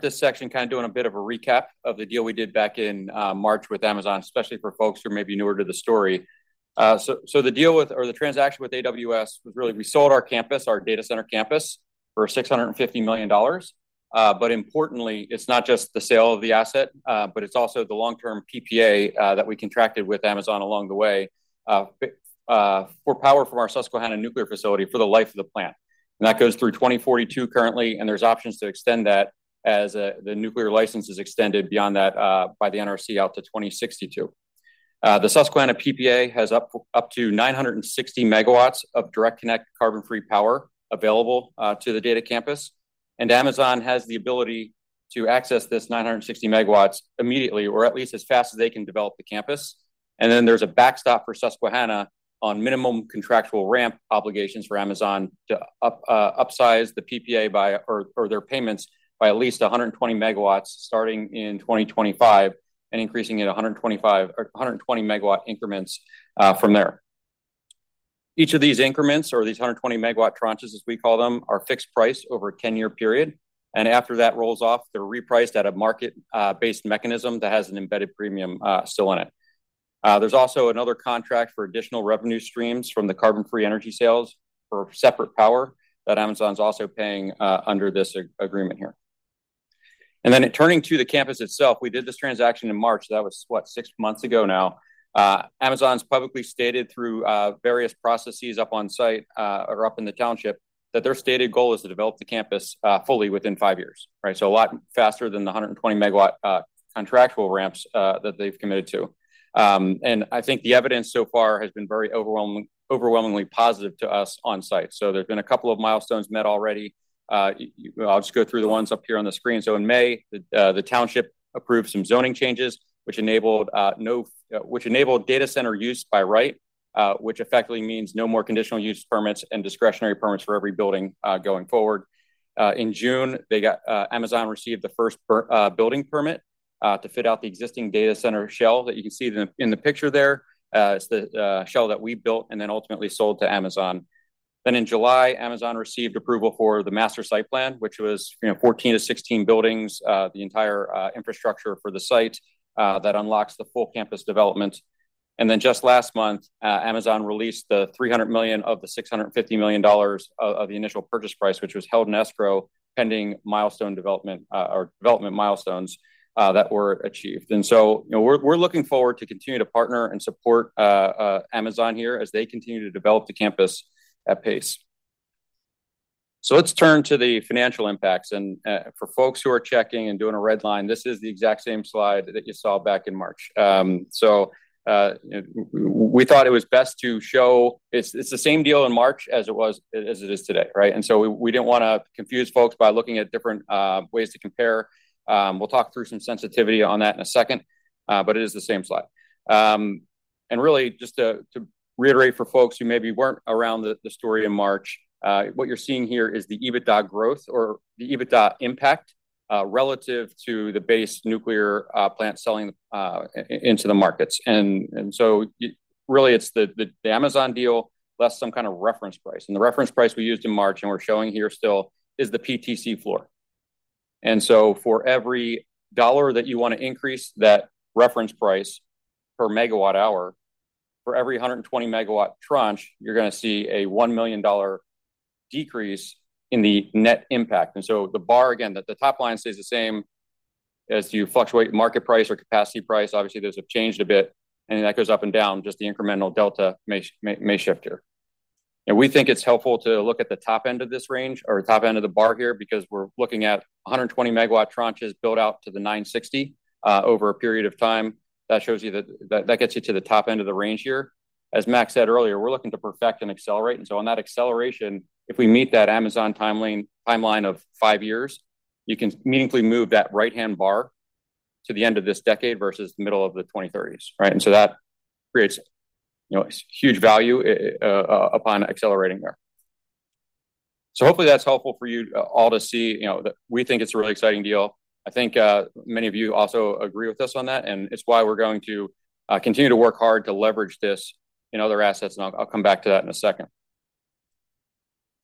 this section kind of doing a bit of a recap of the deal we did back in March with Amazon, especially for folks who are maybe newer to the story. So the deal with or the transaction with AWS was really, we sold our campus, our data center campus, for $650 million. But importantly, it's not just the sale of the asset, but it's also the long-term PPA that we contracted with Amazon along the way for power from our Susquehanna nuclear facility for the life of the plant. And that goes through 2042 currently, and there's options to extend that as the nuclear license is extended beyond that by the NRC out to 2062. The Susquehanna PPA has up to 960 MW of direct connect, carbon-free power available to the data campus, and Amazon has the ability to access this 960 MW immediately, or at least as fast as they can develop the campus, and then there's a backstop for Susquehanna on minimum contractual ramp obligations for Amazon to upsize the PPA by, or their payments by, at least 120 MW, starting in 2025, and increasing at 125 or 120 MW increments from there. Each of these increments or these 120 MW tranches, as we call them, are fixed price over a 10-year period, and after that rolls off, they're repriced at a market-based mechanism that has an embedded premium still in it. There's also another contract for additional revenue streams from the carbon-free energy sales for separate power that Amazon's also paying under this agreement here, and then turning to the campus itself, we did this transaction in March. That was, what? Six months ago now. Amazon's publicly stated through various processes up on site or up in the township that their stated goal is to develop the campus fully within five years. Right? So a lot faster than the 120-MW contractual ramps that they've committed to, and I think the evidence so far has been very overwhelmingly positive to us on site, so there's been a couple of milestones met already. I'll just go through the ones up here on the screen, so in May, the township approved some zoning changes, which enabled no... Which enabled data center use by right, which effectively means no more conditional use permits and discretionary permits for every building, going forward. In June, they got, Amazon received the first building permit to fit out the existing data center shell that you can see in the picture there. It's the shell that we built and then ultimately sold to Amazon. Then in July, Amazon received approval for the master site plan, which was, you know, 14-16 buildings, the entire infrastructure for the site, that unlocks the full campus development. And then just last month, Amazon released the $300 million of the $650 million of the initial purchase price, which was held in escrow, pending milestone development or development milestones that were achieved. And so, you know, we're looking forward to continue to partner and support Amazon here as they continue to develop the campus at pace. So let's turn to the financial impacts. And, for folks who are checking and doing a red line, this is the exact same slide that you saw back in March. So, we thought it was best to show. It's the same deal in March as it was, as it is today, right? And so we didn't wanna confuse folks by looking at different ways to compare. We'll talk through some sensitivity on that in a second, but it is the same slide. And really, just to reiterate for folks who maybe weren't around the story in March, what you're seeing here is the EBITDA growth or the EBITDA impact relative to the base nuclear plant selling into the markets. And so really, it's the Amazon deal, less some kind of reference price. And the reference price we used in March, and we're showing here still, is the PTC floor. And so for every dollar that you want to increase that reference price per MWh, for every 120 MW tranche, you're gonna see a $1 million decrease in the net impact. And so the bar, again, that the top line stays the same as you fluctuate market price or capacity price. Obviously, those have changed a bit, and that goes up and down, just the incremental delta may shift here. And we think it's helpful to look at the top end of this range or top end of the bar here, because we're looking at 120 MW tranches built out to the 960 over a period of time. That shows you that that gets you to the top end of the range here. As Mac said earlier, we're looking to perfect and accelerate. And so on that acceleration, if we meet that Amazon timeline of five years, you can meaningfully move that right-hand bar to the end of this decade versus the middle of the 2030s, right? And so that creates, you know, huge value upon accelerating there. So hopefully that's helpful for you, all to see, you know, that we think it's a really exciting deal. I think, many of you also agree with us on that, and it's why we're going to, continue to work hard to leverage this in other assets, and I'll come back to that in a second.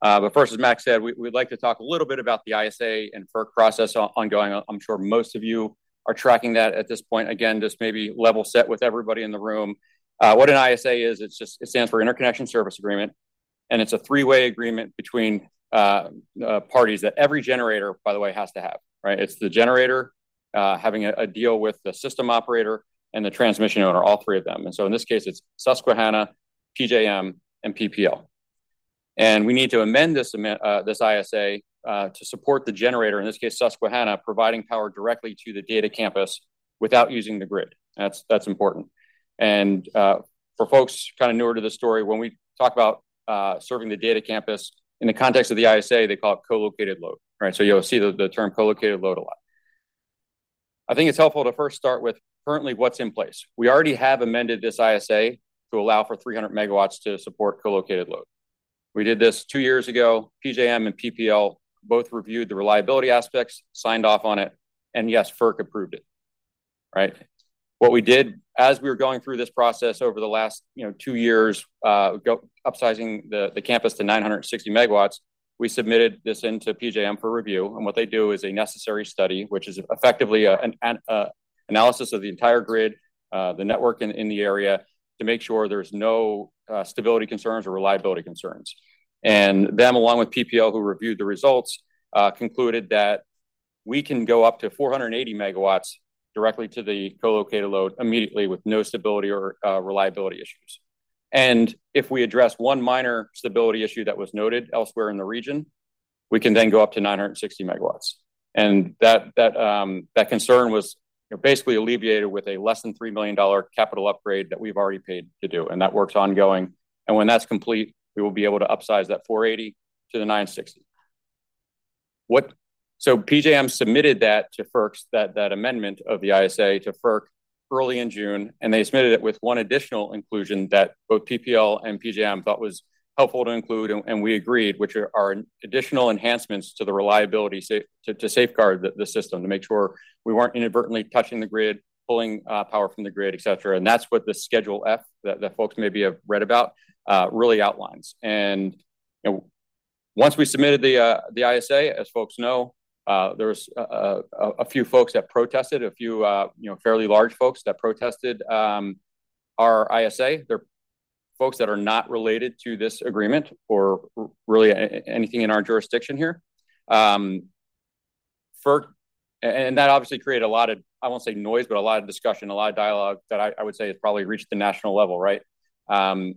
But first, as Mac said, we'd like to talk a little bit about the ISA and FERC process ongoing. I'm sure most of you are tracking that at this point. Again, just maybe level set with everybody in the room. What an ISA is, it's just it stands for Interconnection Service Agreement, and it's a three-way agreement between parties that every generator, by the way, has to have, right? It's the generator having a deal with the system operator and the transmission owner, all three of them. And so in this case, it's Susquehanna, PJM, and PPL. And we need to amend this ISA to support the generator, in this case, Susquehanna, providing power directly to the data campus without using the grid. That's important. And for folks kinda newer to the story, when we talk about serving the data campus in the context of the ISA, they call it co-located load, right? So you'll see the term co-located load a lot. I think it's helpful to first start with currently what's in place. We already have amended this ISA to allow for 300 MW to support co-located load. We did this two years ago. PJM and PPL both reviewed the reliability aspects, signed off on it, and yes, FERC approved it, right? What we did as we were going through this process over the last, you know, two years, upsizing the campus to 960 MW, we submitted this into PJM for review. And what they do is a necessary study, which is effectively an analysis of the entire grid, the network in the area, to make sure there's no stability concerns or reliability concerns. And they, along with PPL, who reviewed the results, concluded that we can go up to 480 MW directly to the co-located load immediately with no stability or reliability issues. And if we address one minor stability issue that was noted elsewhere in the region, we can then go up to 960 MW. And that concern was, you know, basically alleviated with a less than $3 million capital upgrade that we've already paid to do, and that work's ongoing. And when that's complete, we will be able to upsize that 480 to the 960. So PJM submitted that to FERC, that amendment of the ISA to FERC early in June, and they submitted it with one additional inclusion that both PPL and PJM thought was helpful to include, and we agreed, which are additional enhancements to the reliability, to safeguard the system, to make sure we weren't inadvertently touching the grid, pulling power from the grid, et cetera. And that's what the Schedule F that, that folks maybe have read about really outlines. You know, once we submitted the ISA, as folks know, there was a few folks that protested, a few, you know, fairly large folks that protested our ISA. They're folks that are not related to this agreement or really anything in our jurisdiction here. FERC. And that obviously created a lot of, I won't say noise, but a lot of discussion, a lot of dialogue that I would say has probably reached the national level, right? Our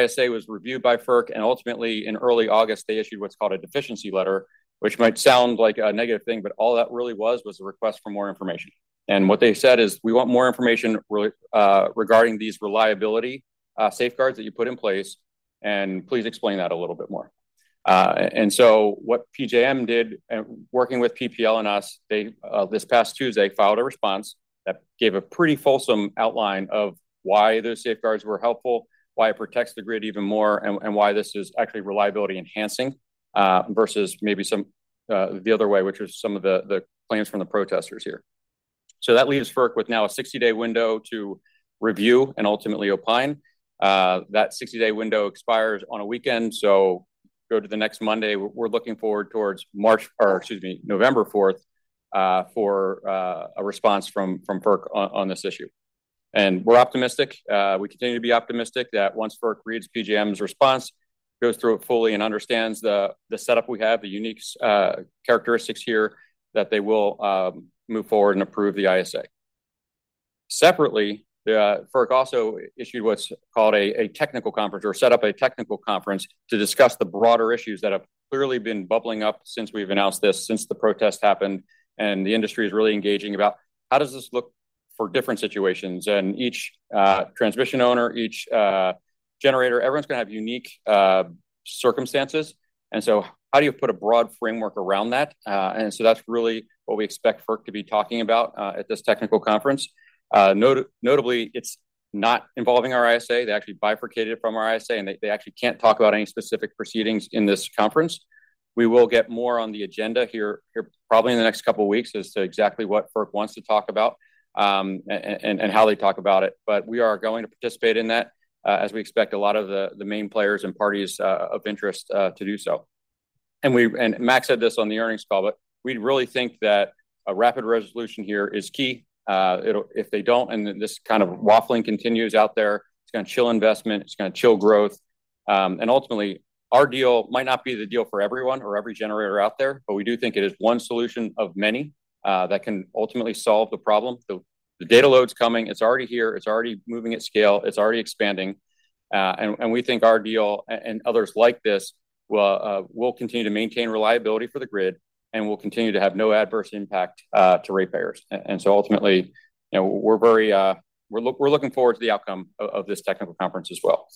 ISA was reviewed by FERC, and ultimately, in early August, they issued what's called a deficiency letter, which might sound like a negative thing, but all that really was, was a request for more information. And what they said is, "We want more information re, regarding these reliability safeguards that you put in place, and please explain that a little bit more." And so what PJM did, working with PPL and us, they this past Tuesday, filed a response that gave a pretty fulsome outline of why those safeguards were helpful, why it protects the grid even more, and why this is actually reliability enhancing versus maybe some the other way, which is some of the plans from the protesters here. So that leaves FERC with now a 60-day window to review and ultimately opine. That 60-day window expires on a weekend, so go to the next Monday. We're looking forward towards March, or excuse me, November 4th, for a response from FERC on this issue. And we're optimistic. We continue to be optimistic that once FERC reads PJM's response, goes through it fully, and understands the setup we have, the unique characteristics here, that they will move forward and approve the ISA. Separately, FERC also issued what's called a technical conference or set up a technical conference to discuss the broader issues that have clearly been bubbling up since we've announced this, since the protest happened. And the industry is really engaging about: how does this look for different situations? And each transmission owner, each generator, everyone's gonna have unique circumstances. And so how do you put a broad framework around that? And so that's really what we expect FERC to be talking about at this technical conference. Notably, it's not involving our ISA. They actually bifurcated it from our ISA, and they actually can't talk about any specific proceedings in this conference. We will get more on the agenda here probably in the next couple of weeks as to exactly what FERC wants to talk about and how they talk about it. But we are going to participate in that, as we expect a lot of the main players and parties of interest to do so. And Mac said this on the earnings call, but we really think that a rapid resolution here is key. It'll if they don't, and this kind of waffling continues out there, it's gonna chill investment, it's gonna chill growth. And ultimately, our deal might not be the deal for everyone or every generator out there, but we do think it is one solution of many that can ultimately solve the problem. The data load's coming, it's already here, it's already moving at scale, it's already expanding. And we think our deal and others like this will continue to maintain reliability for the grid and will continue to have no adverse impact to ratepayers. And so ultimately, you know, we're very, we're looking forward to the outcome of this technical conference as well.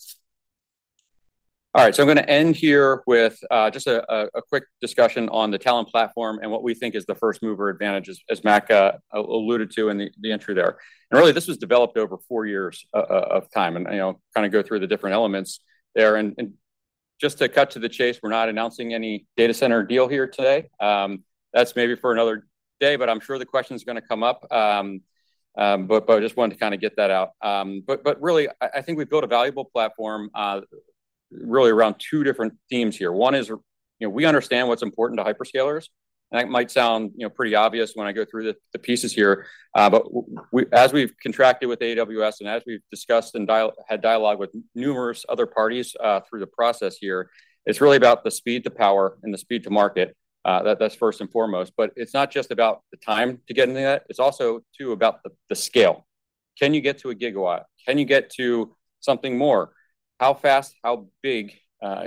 All right, so I'm gonna end here with just a quick discussion on the Talen platform and what we think is the first mover advantage, as Mac alluded to in the entry there. And really, this was developed over four years of time, and, you know, kind of go through the different elements there. And just to cut to the chase, we're not announcing any data center deal here today. That's maybe for another day, but I'm sure the question is gonna come up. But really, I think we've built a valuable platform, really around two different themes here. One is, you know, we understand what's important to hyperscalers, and that might sound, you know, pretty obvious when I go through the pieces here. But as we've contracted with AWS, and as we've discussed and had dialogue with numerous other parties through the process here, it's really about the speed to power and the speed to market. That's first and foremost, but it's not just about the time to getting to that, it's also, too, about the scale. Can you get to a GW? Can you get to something more? How fast, how big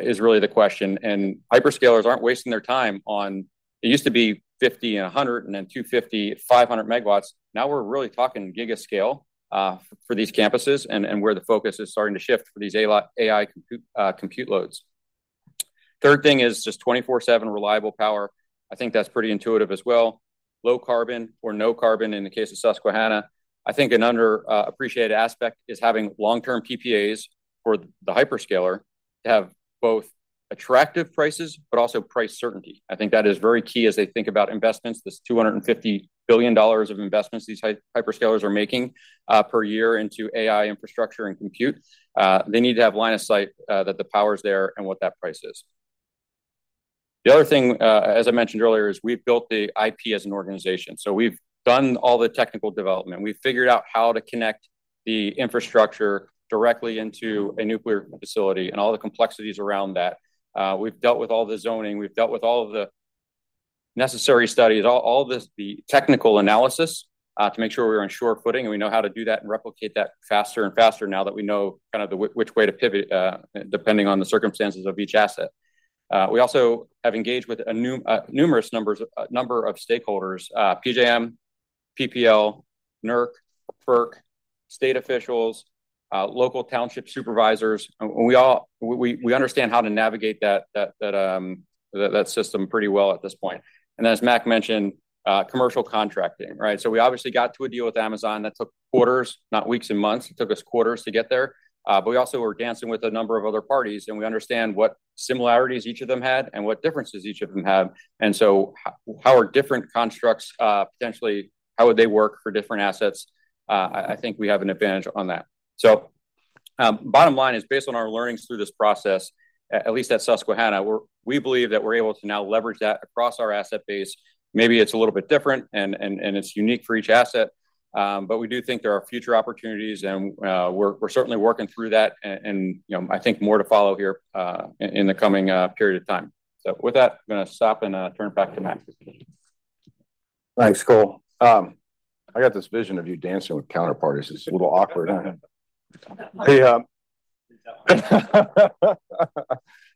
is really the question. And hyperscalers aren't wasting their time on... It used to be 50 and 100, and then 250, 500 MW. Now we're really talking giga scale for these campuses and where the focus is starting to shift for these AI compute loads. Third thing is just 24/7 reliable power. I think that's pretty intuitive as well. Low carbon or no carbon in the case of Susquehanna. I think an under appreciated aspect is having long-term PPAs for the hyperscaler to have both attractive prices, but also price certainty. I think that is very key as they think about investments. There's $250 billion of investments these hyperscalers are making per year into AI infrastructure and compute. They need to have line of sight that the power's there and what that price is. The other thing as I mentioned earlier is we've built the IP as an organization. So we've done all the technical development. We've figured out how to connect the infrastructure directly into a nuclear facility and all the complexities around that. We've dealt with all the zoning, we've dealt with all of the necessary studies, all this, the technical analysis, to make sure we're on sure footing, and we know how to do that and replicate that faster and faster now that we know kind of the which way to pivot, depending on the circumstances of each asset. We also have engaged with a number of stakeholders, PJM, PPL, NERC, FERC, state officials, local township supervisors. We understand how to navigate that system pretty well at this point. As Mac mentioned, commercial contracting, right? So we obviously got to a deal with Amazon that took quarters, not weeks and months. It took us quarters to get there. But we also were dancing with a number of other parties, and we understand what similarities each of them had and what differences each of them have. And so how are different constructs, potentially, how would they work for different assets? I think we have an advantage on that. So bottom line is, based on our learnings through this process, at least at Susquehanna, we're we believe that we're able to now leverage that across our asset base. Maybe it's a little bit different, and it's unique for each asset, but we do think there are future opportunities, and we're certainly working through that. And you know, I think more to follow here, in the coming period of time. So with that, I'm gonna stop and turn it back to Mac. Thanks, Cole. I got this vision of you dancing with counterparties. It's a little awkward. He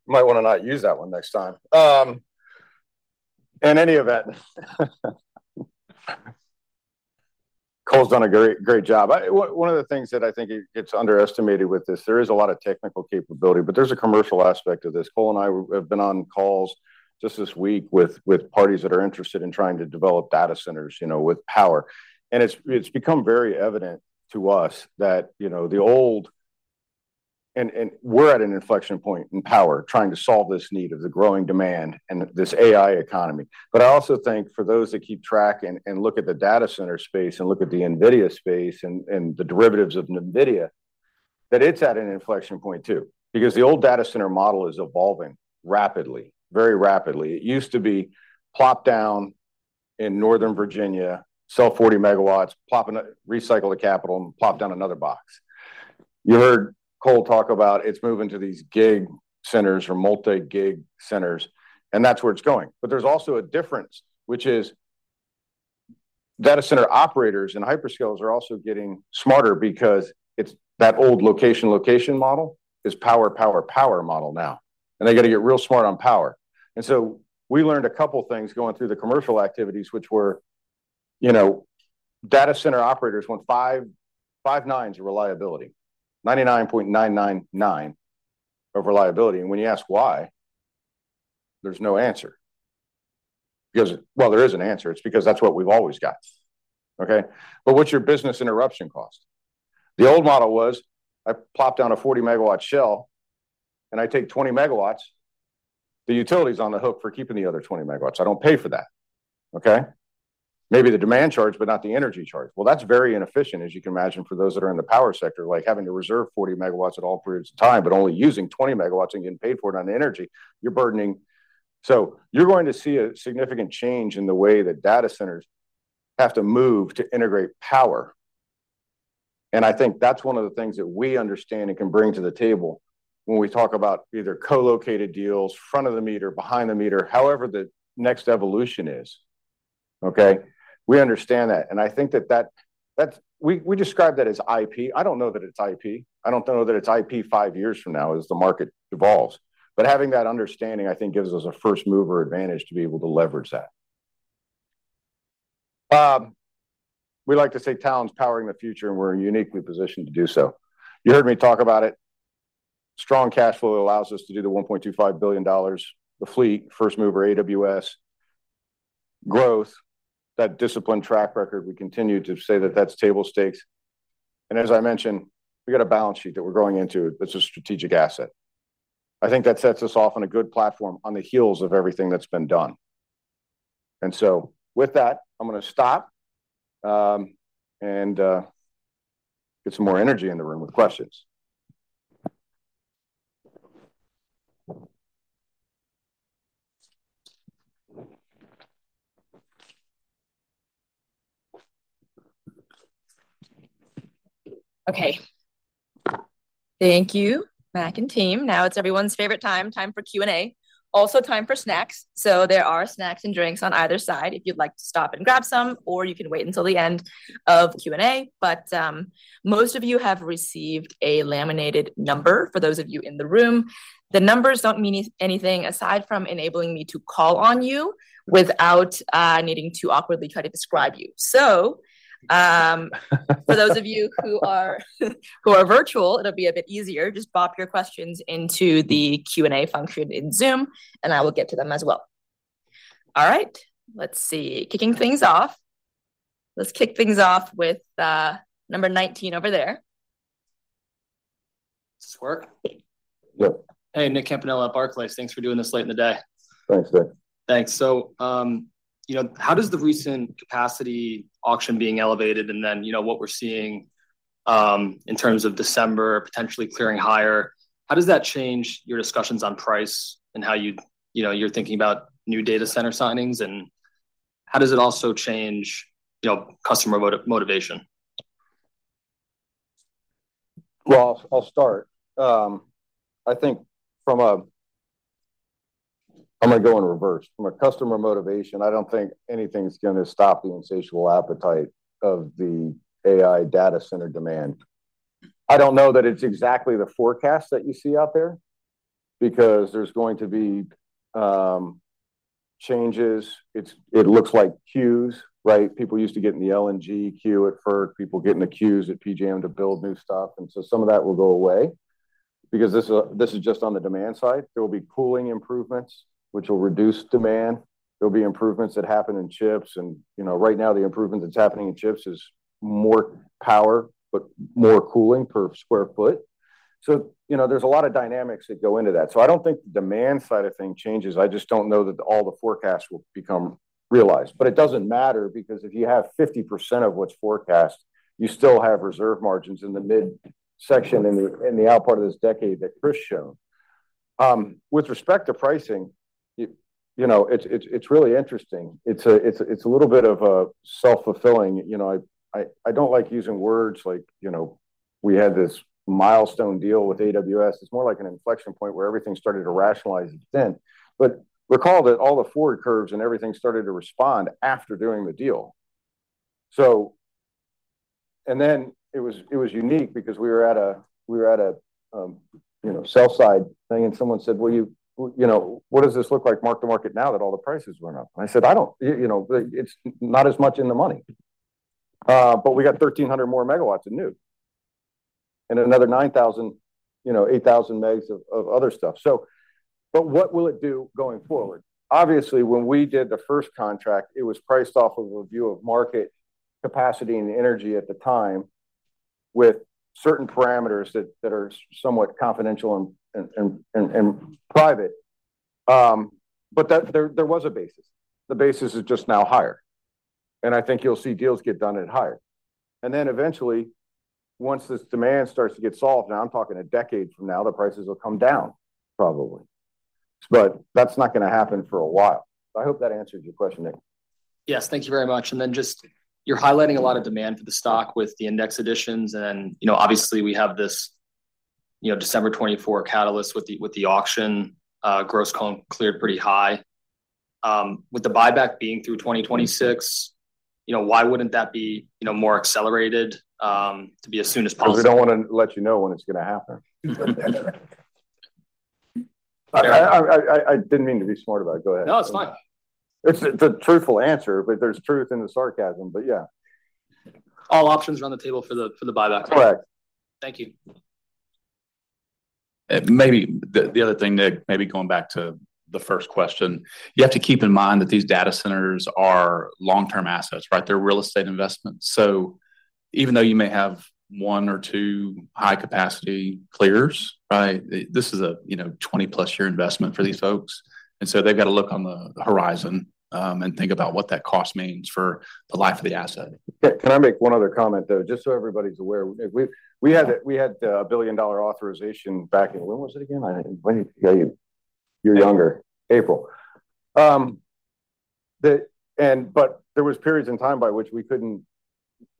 might wanna not use that one next time. In any event, Cole's done a great, great job. One of the things that I think gets underestimated with this, there is a lot of technical capability, but there's a commercial aspect of this. Cole and I have been on calls just this week with parties that are interested in trying to develop data centers, you know, with power. And it's become very evident to us that, you know, we're at an inflection point in power, trying to solve this need of the growing demand and this AI economy. But I also think for those that keep track and, and look at the data center space, and look at the NVIDIA space, and, and the derivatives of NVIDIA, that it's at an inflection point too, because the old data center model is evolving rapidly, very rapidly. It used to be plop down in Northern Virginia, sell 40 MW, plop in a-- recycle the capital, and plop down another box. You heard Cole talk about it's moving to these gig centers or multi-gig centers, and that's where it's going. But there's also a difference, which is data center operators and hyperscalers are also getting smarter because it's that old location, location model, is power, power, power model now, and they've got to get real smart on power. And so we learned a couple things going through the commercial activities, which were, you know, data center operators want five nines of reliability, 99.999% reliability. And when you ask why, there's no answer. Because. Well, there is an answer. It's because that's what we've always got. Okay? But what's your business interruption cost? The old model was, I plop down a 40-MW shell, and I take 20 MW. The utility's on the hook for keeping the other 20 MW. I don't pay for that, okay? Maybe the demand charge, but not the energy charge. Well, that's very inefficient, as you can imagine, for those that are in the power sector, like having to reserve 40 MW at all periods of time, but only using 20 MW and getting paid for it on the energy, you're burdening. So you're going to see a significant change in the way that data centers have to move to integrate power, and I think that's one of the things that we understand and can bring to the table when we talk about either co-located deals, front of the meter, behind the meter, however the next evolution is, okay? We understand that, and I think that's. We describe that as IP. I don't know that it's IP. I don't know that it's IP five years from now as the market evolves. But having that understanding, I think, gives us a first mover advantage to be able to leverage that. We like to say Talen's powering the future, and we're uniquely positioned to do so. You heard me talk about it. Strong cash flow allows us to do the $1.25 billion, the fleet, first mover AWS growth, that disciplined track record. We continue to say that that's table stakes. And as I mentioned, we've got a balance sheet that we're going into. It's a strategic asset. I think that sets us off on a good platform on the heels of everything that's been done. And so with that, I'm going to stop and get some more energy in the room with questions. Okay. Thank you, Mac and team. Now it's everyone's favorite time, time for Q&A. Also, time for snacks. So there are snacks and drinks on either side if you'd like to stop and grab some, or you can wait until the end of Q&A. But most of you have received a laminated number for those of you in the room. The numbers don't mean anything aside from enabling me to call on you without needing to awkwardly try to describe you. So for those of you who are virtual, it'll be a bit easier. Just bop your questions into the Q&A function in Zoom, and I will get to them as well. All right, let's see. Kicking things off. Let's kick things off with number 19 over there. Does this work? Yep. Hey, Nick Campanella, Barclays. Thanks for doing this late in the day. Thanks, Nick. Thanks. So, you know, how does the recent capacity auction being elevated, and then, you know, what we're seeing in terms of December potentially clearing higher, how does that change your discussions on price, and how you, you know, you're thinking about new data center signings, and how does it also change, you know, customer motivation? Well, I'll start. I think I'm gonna go in reverse. From a customer motivation, I don't think anything's gonna stop the insatiable appetite of the AI data center demand. I don't know that it's exactly the forecast that you see out there, because there's going to be changes. It looks like queues, right? People used to get in the LNG queue at FERC, people getting in the queues at PJM to build new stuff, and so some of that will go away, because this is just on the demand side. There will be cooling improvements, which will reduce demand. There'll be improvements that happen in chips, and you know, right now, the improvement that's happening in chips is more power, but more cooling per square foot. So you know, there's a lot of dynamics that go into that. So I don't think the demand side of things changes, I just don't know that all the forecasts will become realized. But it doesn't matter, because if you have 50% of what's forecast, you still have reserve margins in the midsection in the out part of this decade that Chris showed. With respect to pricing, you know, it's really interesting. It's a little bit of a self-fulfilling... You know, I don't like using words like, you know, we had this milestone deal with AWS. It's more like an inflection point where everything started to rationalize its descent. But recall that all the forward curves and everything started to respond after doing the deal. And then it was unique because we were at a you know sell-side thing, and someone said: "Well, you know, what does this look like mark-to-market now that all the prices went up?" I said: "I don't know. You know, it's not as much in the money." But we got 1,300 more MW in new, and another 9,000, you know, 8,000 MW of other stuff. So, but what will it do going forward? Obviously, when we did the first contract, it was priced off of a view of market capacity and energy at the time, with certain parameters that are somewhat confidential and private. But there was a basis. The basis is just now higher, and I think you'll see deals get done at higher. And then eventually, once this demand starts to get solved, now I'm talking a decade from now, the prices will come down, probably. But that's not going to happen for a while. I hope that answers your question, Nick. Yes, thank you very much. And then just you're highlighting a lot of demand for the stock with the index additions. And, you know, obviously, we have this, you know, December 2024 catalyst with the auction clears pretty high. With the buyback being through 2026, you know, why wouldn't that be, you know, more accelerated to be as soon as possible? We don't want to let you know when it's going to happen. I didn't mean to be smart about it. Go ahead. No, it's fine. It's the truthful answer, but there's truth in the sarcasm. But yeah. All options are on the table for the buyback? Correct. Thank you. Maybe the other thing, Nick, maybe going back to the first question. You have to keep in mind that these data centers are long-term assets, right? They're real estate investments. So even though you may have one or two high-capacity clears, right, this is a, you know, 20+ year investment for these folks. And so they've got to look on the horizon, and think about what that cost means for the life of the asset. Can I make one other comment, though, just so everybody's aware? We had a $1 billion authorization back in... When was it again? I, when you, you're younger. April. But there was periods in time by which we couldn't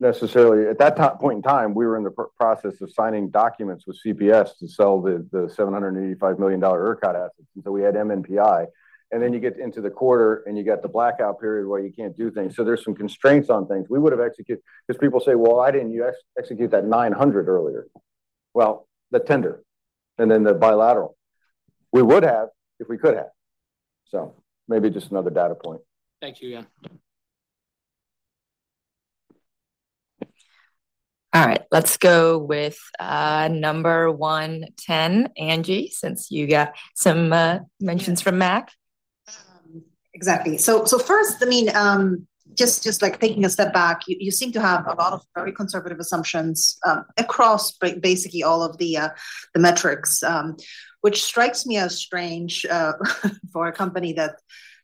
necessarily at that time, point in time, we were in the process of signing documents with CPS to sell the $785 million ERCOT assets, and so we had MNPI. And then you get into the quarter, and you get the blackout period where you can't do things. So there's some constraints on things. We would have executed because people say: "Well, why didn't you execute that $900 million earlier?" Well, the tender and then the bilateral. We would have if we could have. So maybe just another data point. Thank you. Yeah. All right, let's go with number 110, Angie, since you got some mentions from Mac. Exactly. So first, I mean, just like taking a step back, you seem to have a lot of very conservative assumptions across basically all of the metrics, which strikes me as strange for a company that,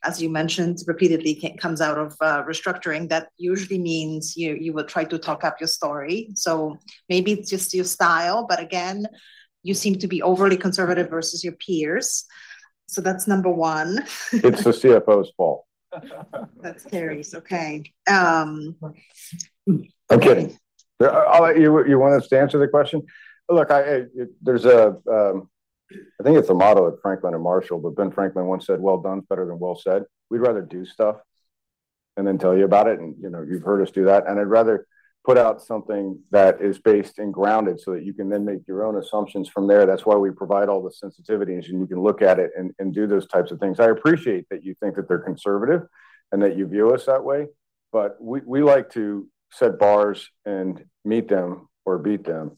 as you mentioned, repeatedly comes out of restructuring. That usually means you will try to talk up your story. So maybe it's just your style, but again, you seem to be overly conservative versus your peers. So that's number one. It's the CFO's fault. That's Terry's. Okay. I'm kidding. You want us to answer the question? Look, there's a, I think it's a motto at Franklin and Marshall, but Ben Franklin once said: "Well done is better than well said." We'd rather do stuff and then tell you about it, and, you know, you've heard us do that. I'd rather put out something that is based and grounded, so that you can then make your own assumptions from there. That's why we provide all the sensitivities, and you can look at it and do those types of things. I appreciate that you think that they're conservative and that you view us that way, but we like to set bars and meet them or beat them,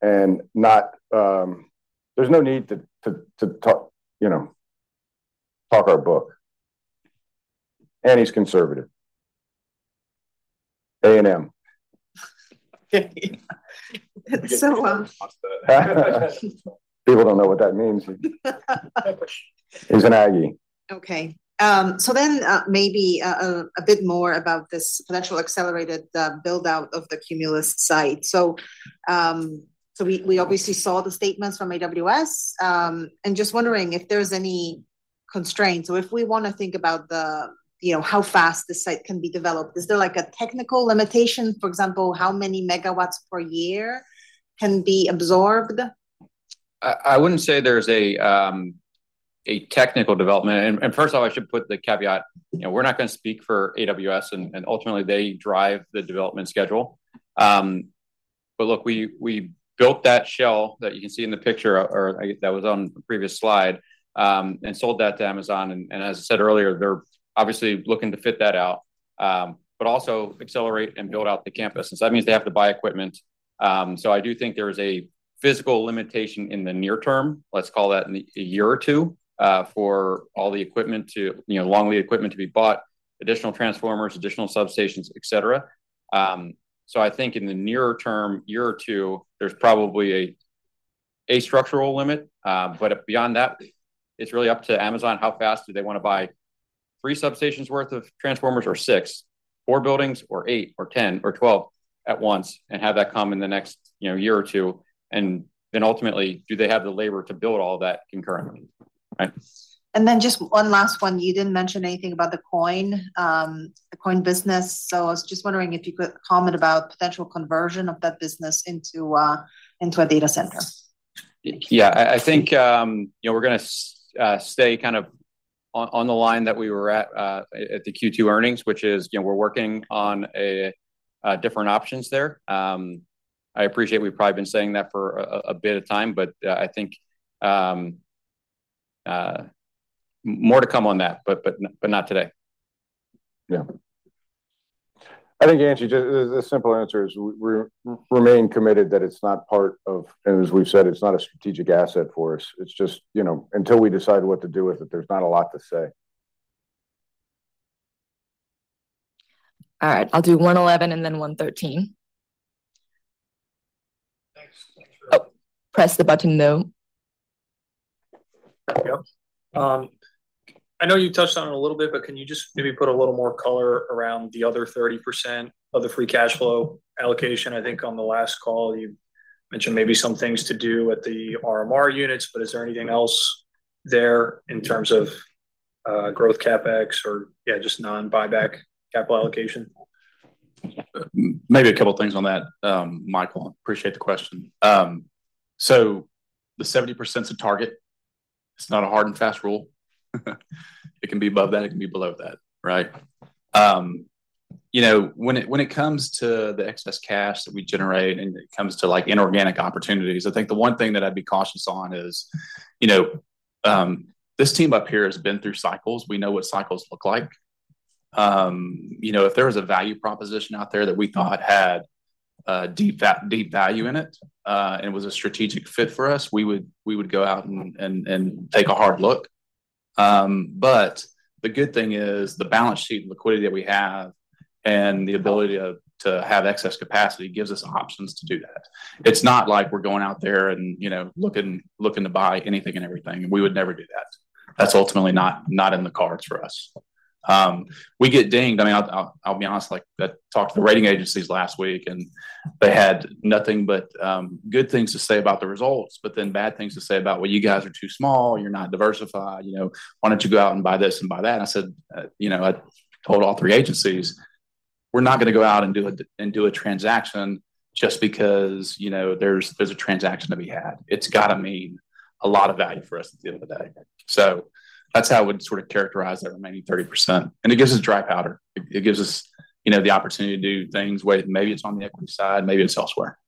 and not, there's no need to talk, you know, talk our book. And he's conservative. A&M. So, um- People don't know what that means. He's an Aggie. Okay, so then, maybe, a bit more about this potential accelerated, build-out of the Cumulus site. So, we obviously saw the statements from AWS, and just wondering if there's any constraints or if we want to think about the, you know, how fast this site can be developed. Is there like a technical limitation? For example, how many MW per year can be absorbed? I wouldn't say there's a technical development. And first of all, I should put the caveat, you know, we're not going to speak for AWS, and ultimately, they drive the development schedule. But look, we built that shell that you can see in the picture, or I think that was on the previous slide, and sold that to Amazon. And as I said earlier, they're obviously looking to fit that out, but also accelerate and build out the campus. And so that means they have to buy equipment. So I do think there is a physical limitation in the near term, let's call that in a year or two, for all the equipment to, you know, long-lead equipment to be bought, additional transformers, additional substations, et cetera. So I think in the nearer term, year or two, there's probably a structural limit. But beyond that, it's really up to Amazon. How fast do they want to buy? Three substations worth of transformers or six, four buildings, or eight, or 10, or 12 at once, and have that come in the next, you know, year or two. And then ultimately, do they have the labor to build all that concurrently, right? Then just one last one. You didn't mention anything about the coin, the coin business. So I was just wondering if you could comment about potential conversion of that business into a data center. Yeah, I think, you know, we're gonna stay kind of on the line that we were at at the Q2 earnings, which is, you know, we're working on different options there. I appreciate we've probably been saying that for a bit of time, but I think more to come on that, but not today. Yeah. I think, Angie, just the simple answer is we're, we remain committed that it's not part of - and as we've said, it's not a strategic asset for us. It's just, you know, until we decide what to do with it, there's not a lot to say.... All right, I'll do 111, and then 113. Thanks. Oh, press the button, though. Yeah. I know you touched on it a little bit, but can you just maybe put a little more color around the other 30% of the free cash flow allocation? I think on the last call, you mentioned maybe some things to do with the RMR units, but is there anything else there in terms of, growth CapEx or, yeah, just non-buyback capital allocation? Maybe a couple of things on that. Michael, appreciate the question. So the 70% is a target. It's not a hard and fast rule. It can be above that, it can be below that, right? You know, when it comes to the excess cash that we generate and it comes to, like, inorganic opportunities, I think the one thing that I'd be cautious on is, you know, this team up here has been through cycles. We know what cycles look like. You know, if there was a value proposition out there that we thought had, deep, deep value in it, and was a strategic fit for us, we would go out and take a hard look. But the good thing is the balance sheet and liquidity that we have, and the ability to have excess capacity gives us options to do that. It's not like we're going out there and, you know, looking to buy anything and everything, and we would never do that. That's ultimately not in the cards for us. We get dinged. I mean, I'll be honest, like, I talked to the rating agencies last week, and they had nothing but good things to say about the results, but then bad things to say about, "Well, you guys are too small, you're not diversified. You know, why don't you go out and buy this and buy that?" I said, you know, I told all three agencies, "We're not going to go out and do a transaction just because, you know, there's a transaction to be had. It's got to mean a lot of value for us at the end of the day." So that's how I would sort of characterize the remaining 30%, and it gives us dry powder. It gives us, you know, the opportunity to do things, whether maybe it's on the equity side, maybe it's elsewhere.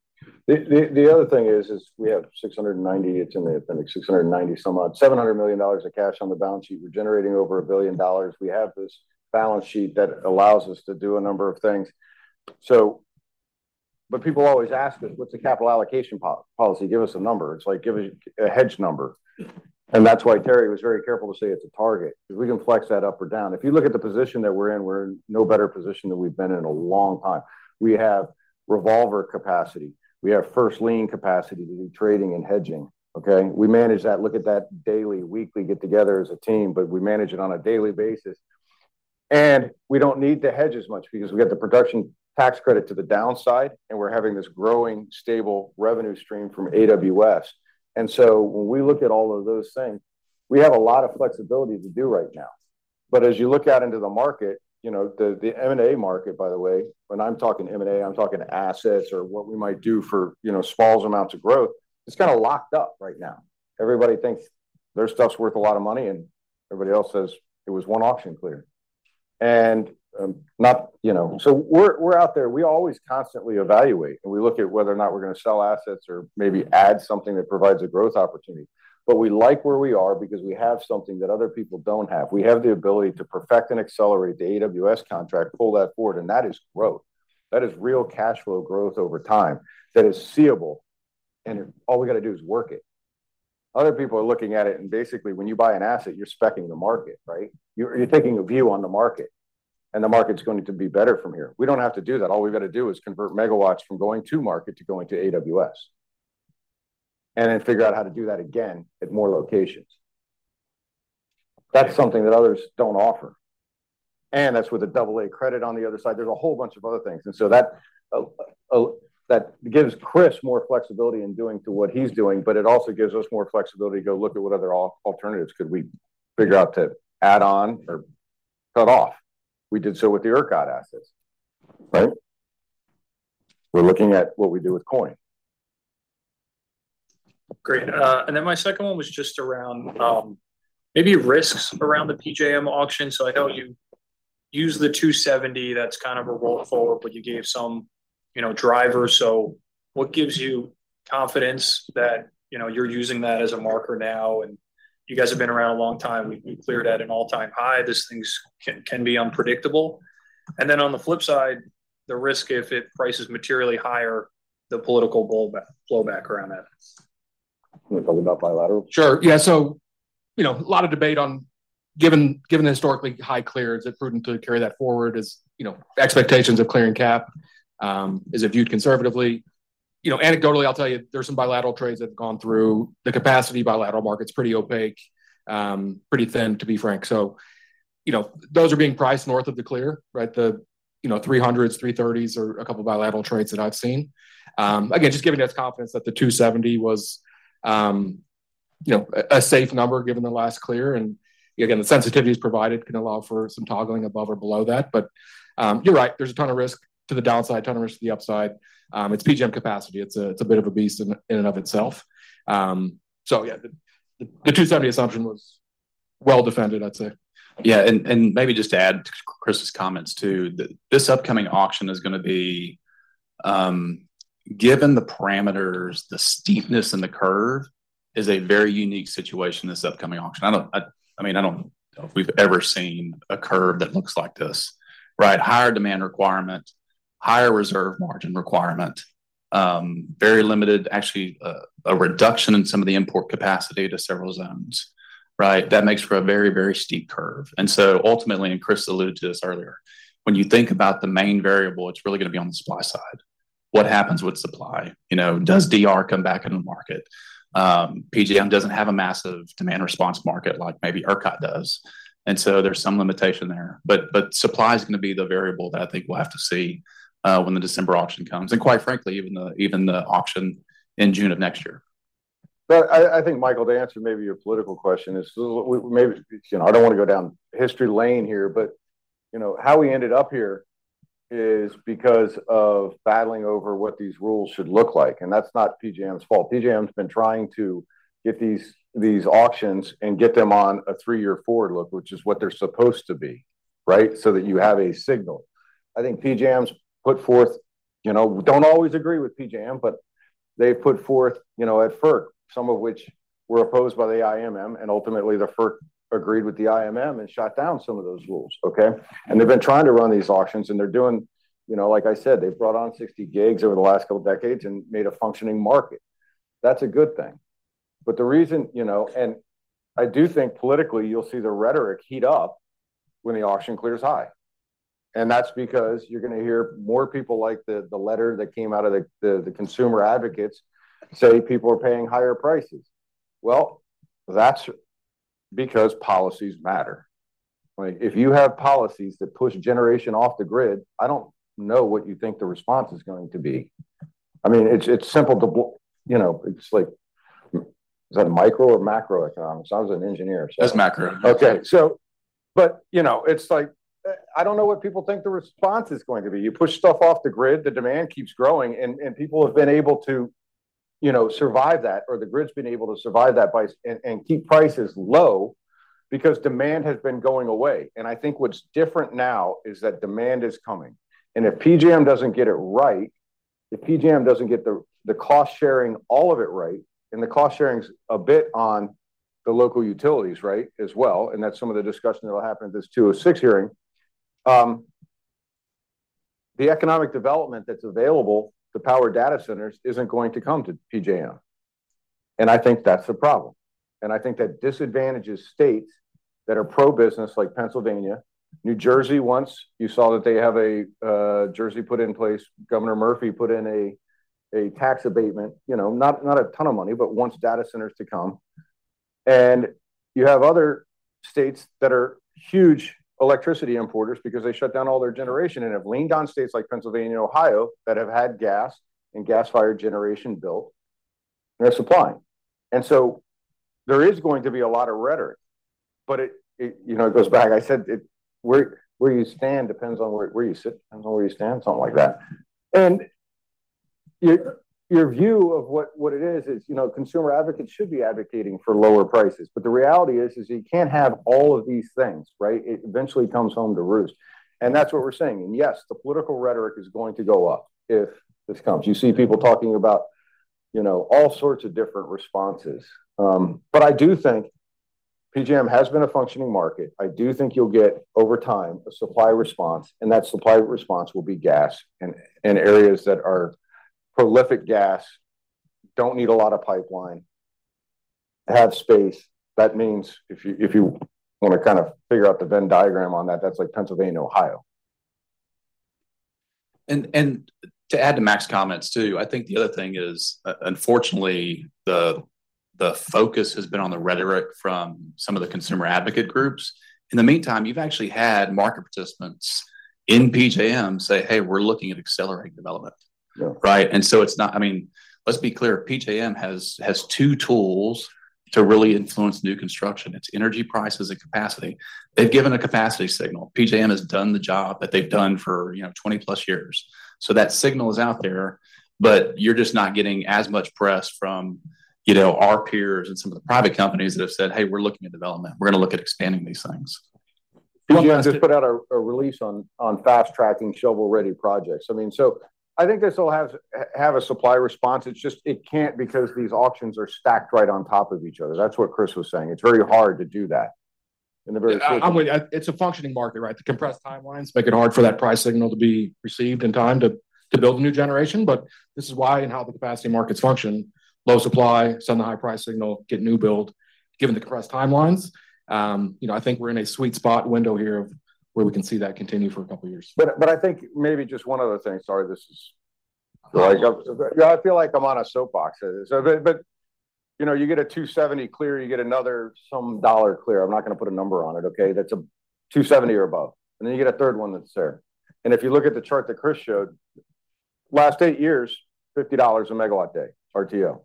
The other thing is we have $690 million-$700 million of cash on the balance sheet. It's in the appendix. We're generating over $1 billion. We have this balance sheet that allows us to do a number of things. So... But people always ask us, "What's the capital allocation policy? Give us a number." It's like giving a hedge number. And that's why Terry was very careful to say it's a target, because we can flex that up or down. If you look at the position that we're in, we're in no better position than we've been in a long time. We have revolver capacity, we have first lien capacity to do trading and hedging, okay? We manage that, look at that daily, weekly, get together as a team, but we manage it on a daily basis. And we don't need to hedge as much because we got the production tax credit to the downside, and we're having this growing, stable revenue stream from AWS. And so when we look at all of those things, we have a lot of flexibility to do right now. But as you look out into the market, you know, the M&A market, by the way, when I'm talking M&A, I'm talking assets or what we might do for, you know, small amounts of growth, it's kind of locked up right now. Everybody thinks their stuff's worth a lot of money, and everybody else says it was one auction clear. And, not, you know. So we're out there. We always constantly evaluate, and we look at whether or not we're going to sell assets or maybe add something that provides a growth opportunity. But we like where we are because we have something that other people don't have. We have the ability to perfect and accelerate the AWS contract, pull that forward, and that is growth. That is real cash flow growth over time, that is seeable, and all we got to do is work it. Other people are looking at it, and basically, when you buy an asset, you're specing the market, right? You're taking a view on the market, and the market's going to be better from here. We don't have to do that. All we've got to do is convert MW from going to market to going to AWS, and then figure out how to do that again at more locations. That's something that others don't offer, and that's with a double A credit on the other side. There's a whole bunch of other things, and so that that gives Chris more flexibility in doing to what he's doing, but it also gives us more flexibility to go look at what other alternatives could we figure out to add on or cut off. We did so with the ERCOT assets, right? We're looking at what we do with coin. Great. And then my second one was just around maybe risks around the PJM auction. So I know you use the $270, that's kind of a roll forward, but you gave some, you know, drivers. So what gives you confidence that, you know, you're using that as a marker now, and you guys have been around a long time. We cleared at an all-time high. These things can be unpredictable. And then on the flip side, the risk if it prices materially higher, the political blowback around that. Can you talk about bilateral? Sure, yeah. So, you know, a lot of debate on, given the historically high clearing, is it prudent to carry that forward? As you know, expectations of clearing cap is viewed conservatively. You know, anecdotally, I'll tell you, there's some bilateral trades that have gone through. The capacity bilateral market's pretty opaque, pretty thin, to be frank. So, you know, those are being priced north of the clearing, right? The, you know, 300s, 330s are a couple of bilateral trades that I've seen. Again, just giving us confidence that the 270 was, you know, a safe number, given the last clearing. And again, the sensitivities provided can allow for some toggling above or below that. But, you're right, there's a ton of risk to the downside, ton of risk to the upside. It's PJM capacity. It's a bit of a beast in and of itself, so yeah, the 270 assumption was well defended, I'd say. Yeah, and maybe just to add Chris's comments too, this upcoming auction is going to be, given the parameters, the steepness and the curve is a very unique situation, this upcoming auction. I mean, I don't know if we've ever seen a curve that looks like this, right? Higher reserve margin requirement, very limited, actually, a reduction in some of the import capacity to several zones, right? That makes for a very, very steep curve. And so ultimately, and Chris alluded to this earlier, when you think about the main variable, it's really going to be on the supply side. What happens with supply? You know, does DR come back in the market? PJM doesn't have a massive demand response market like maybe ERCOT does, and so there's some limitation there. But supply is going to be the variable that I think we'll have to see when the December auction comes, and quite frankly, even the auction in June of next year. But I, I think, Michael, to answer maybe your political question is maybe. I don't want to go down history lane here, but, you know, how we ended up here is because of battling over what these rules should look like, and that's not PJM's fault. PJM's been trying to get these auctions and get them on a three-year forward look, which is what they're supposed to be, right? So that you have a signal. I think PJM's put forth, you know, don't always agree with PJM, but they put forth, you know, at FERC, some of which were opposed by the IMM, and ultimately, the FERC agreed with the IMM and shut down some of those rules, okay? They've been trying to run these auctions, and they're doing. You know, like I said, they've brought on 60 GW over the last couple decades and made a functioning market. That's a good thing. But the reason, you know. And I do think politically, you'll see the rhetoric heat up when the auction clears high. And that's because you're going to hear more people like the letter that came out of the consumer advocates say people are paying higher prices. Well, that's because policies matter. Like, if you have policies that push generation off the grid, I don't know what you think the response is going to be. I mean, it's simple to be. You know, it's like, is that micro or macroeconomics? I was an engineer. That's macro. Okay. But, you know, it's like, I don't know what people think the response is going to be. You push stuff off the grid, the demand keeps growing, and people have been able to, you know, survive that, or the grid's been able to survive that by and keep prices low because demand has been going away. And I think what's different now is that demand is coming, and if PJM doesn't get it right, if PJM doesn't get the cost sharing all of it right, and the cost sharing is a bit on the local utilities, right, as well, and that's some of the discussion that will happen at this 206 hearing. The economic development that's available, the power data centers isn't going to come to PJM, and I think that's the problem. And I think that disadvantages states that are pro-business, like Pennsylvania, New Jersey, once you saw that they have a Jersey put in place. Governor Murphy put in a tax abatement, you know, not a ton of money, but wants data centers to come. And you have other states that are huge electricity importers because they shut down all their generation and have leaned on states like Pennsylvania and Ohio that have had gas and gas-fired generation built, and they're supplying. And so there is going to be a lot of rhetoric, but it you know it goes back. I said it, where you stand depends on where you sit, and where you stand, something like that. And your view of what it is, you know, consumer advocates should be advocating for lower prices. But the reality is you can't have all of these things, right? It eventually comes home to roost, and that's what we're saying. And yes, the political rhetoric is going to go up if this comes. You see people talking about, you know, all sorts of different responses. But I do think PJM has been a functioning market. I do think you'll get, over time, a supply response, and that supply response will be gas. And areas that are prolific gas don't need a lot of pipeline, have space. That means if you want to kind of figure out the Venn diagram on that, that's like Pennsylvania, Ohio. And to add to Mac's comments, too, I think the other thing is, unfortunately, the focus has been on the rhetoric from some of the consumer advocate groups. In the meantime, you've actually had market participants in PJM say: "Hey, we're looking at accelerating development. Yeah. Right? And so it's not, I mean, let's be clear, PJM has two tools to really influence new construction. It's energy prices and capacity. They've given a capacity signal. PJM has done the job that they've done for, you know, 20+ years. So that signal is out there, but you're just not getting as much press from, you know, our peers and some of the private companies that have said: "Hey, we're looking at development. We're going to look at expanding these things. PJM just put out a release on fast-tracking shovel-ready projects. I mean, so I think this will have a supply response. It's just it can't because these auctions are stacked right on top of each other. That's what Chris was saying. It's very hard to do that in a very quick- I'm with you. It's a functioning market, right? The compressed timelines make it hard for that price signal to be received in time to, to build a new generation. But this is why and how the capacity markets function. Low supply, send the high price signal, get new build, given the compressed timelines. You know, I think we're in a sweet spot window here of where we can see that continue for a couple of years. But I think maybe just one other thing. Sorry, this is - I feel like I'm on a soapbox. So, but you know, you get a $270 clear, you get another some dollar clear. I'm not going to put a number on it, okay? That's a $270 or above. And then you get a third one that's there. And if you look at the chart that Chris showed, last eight years, $50 a MW day, RTO.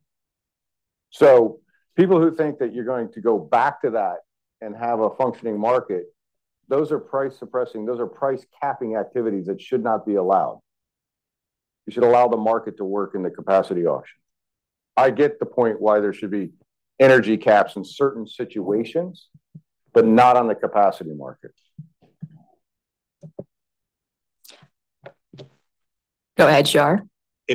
So people who think that you're going to go back to that and have a functioning market, those are price-suppressing, those are price-capping activities that should not be allowed. You should allow the market to work in the capacity auction. I get the point why there should be energy caps in certain situations, but not on the capacity markets. Go ahead, Shar.... Hey, Mac. Hey, guys. Go ahead.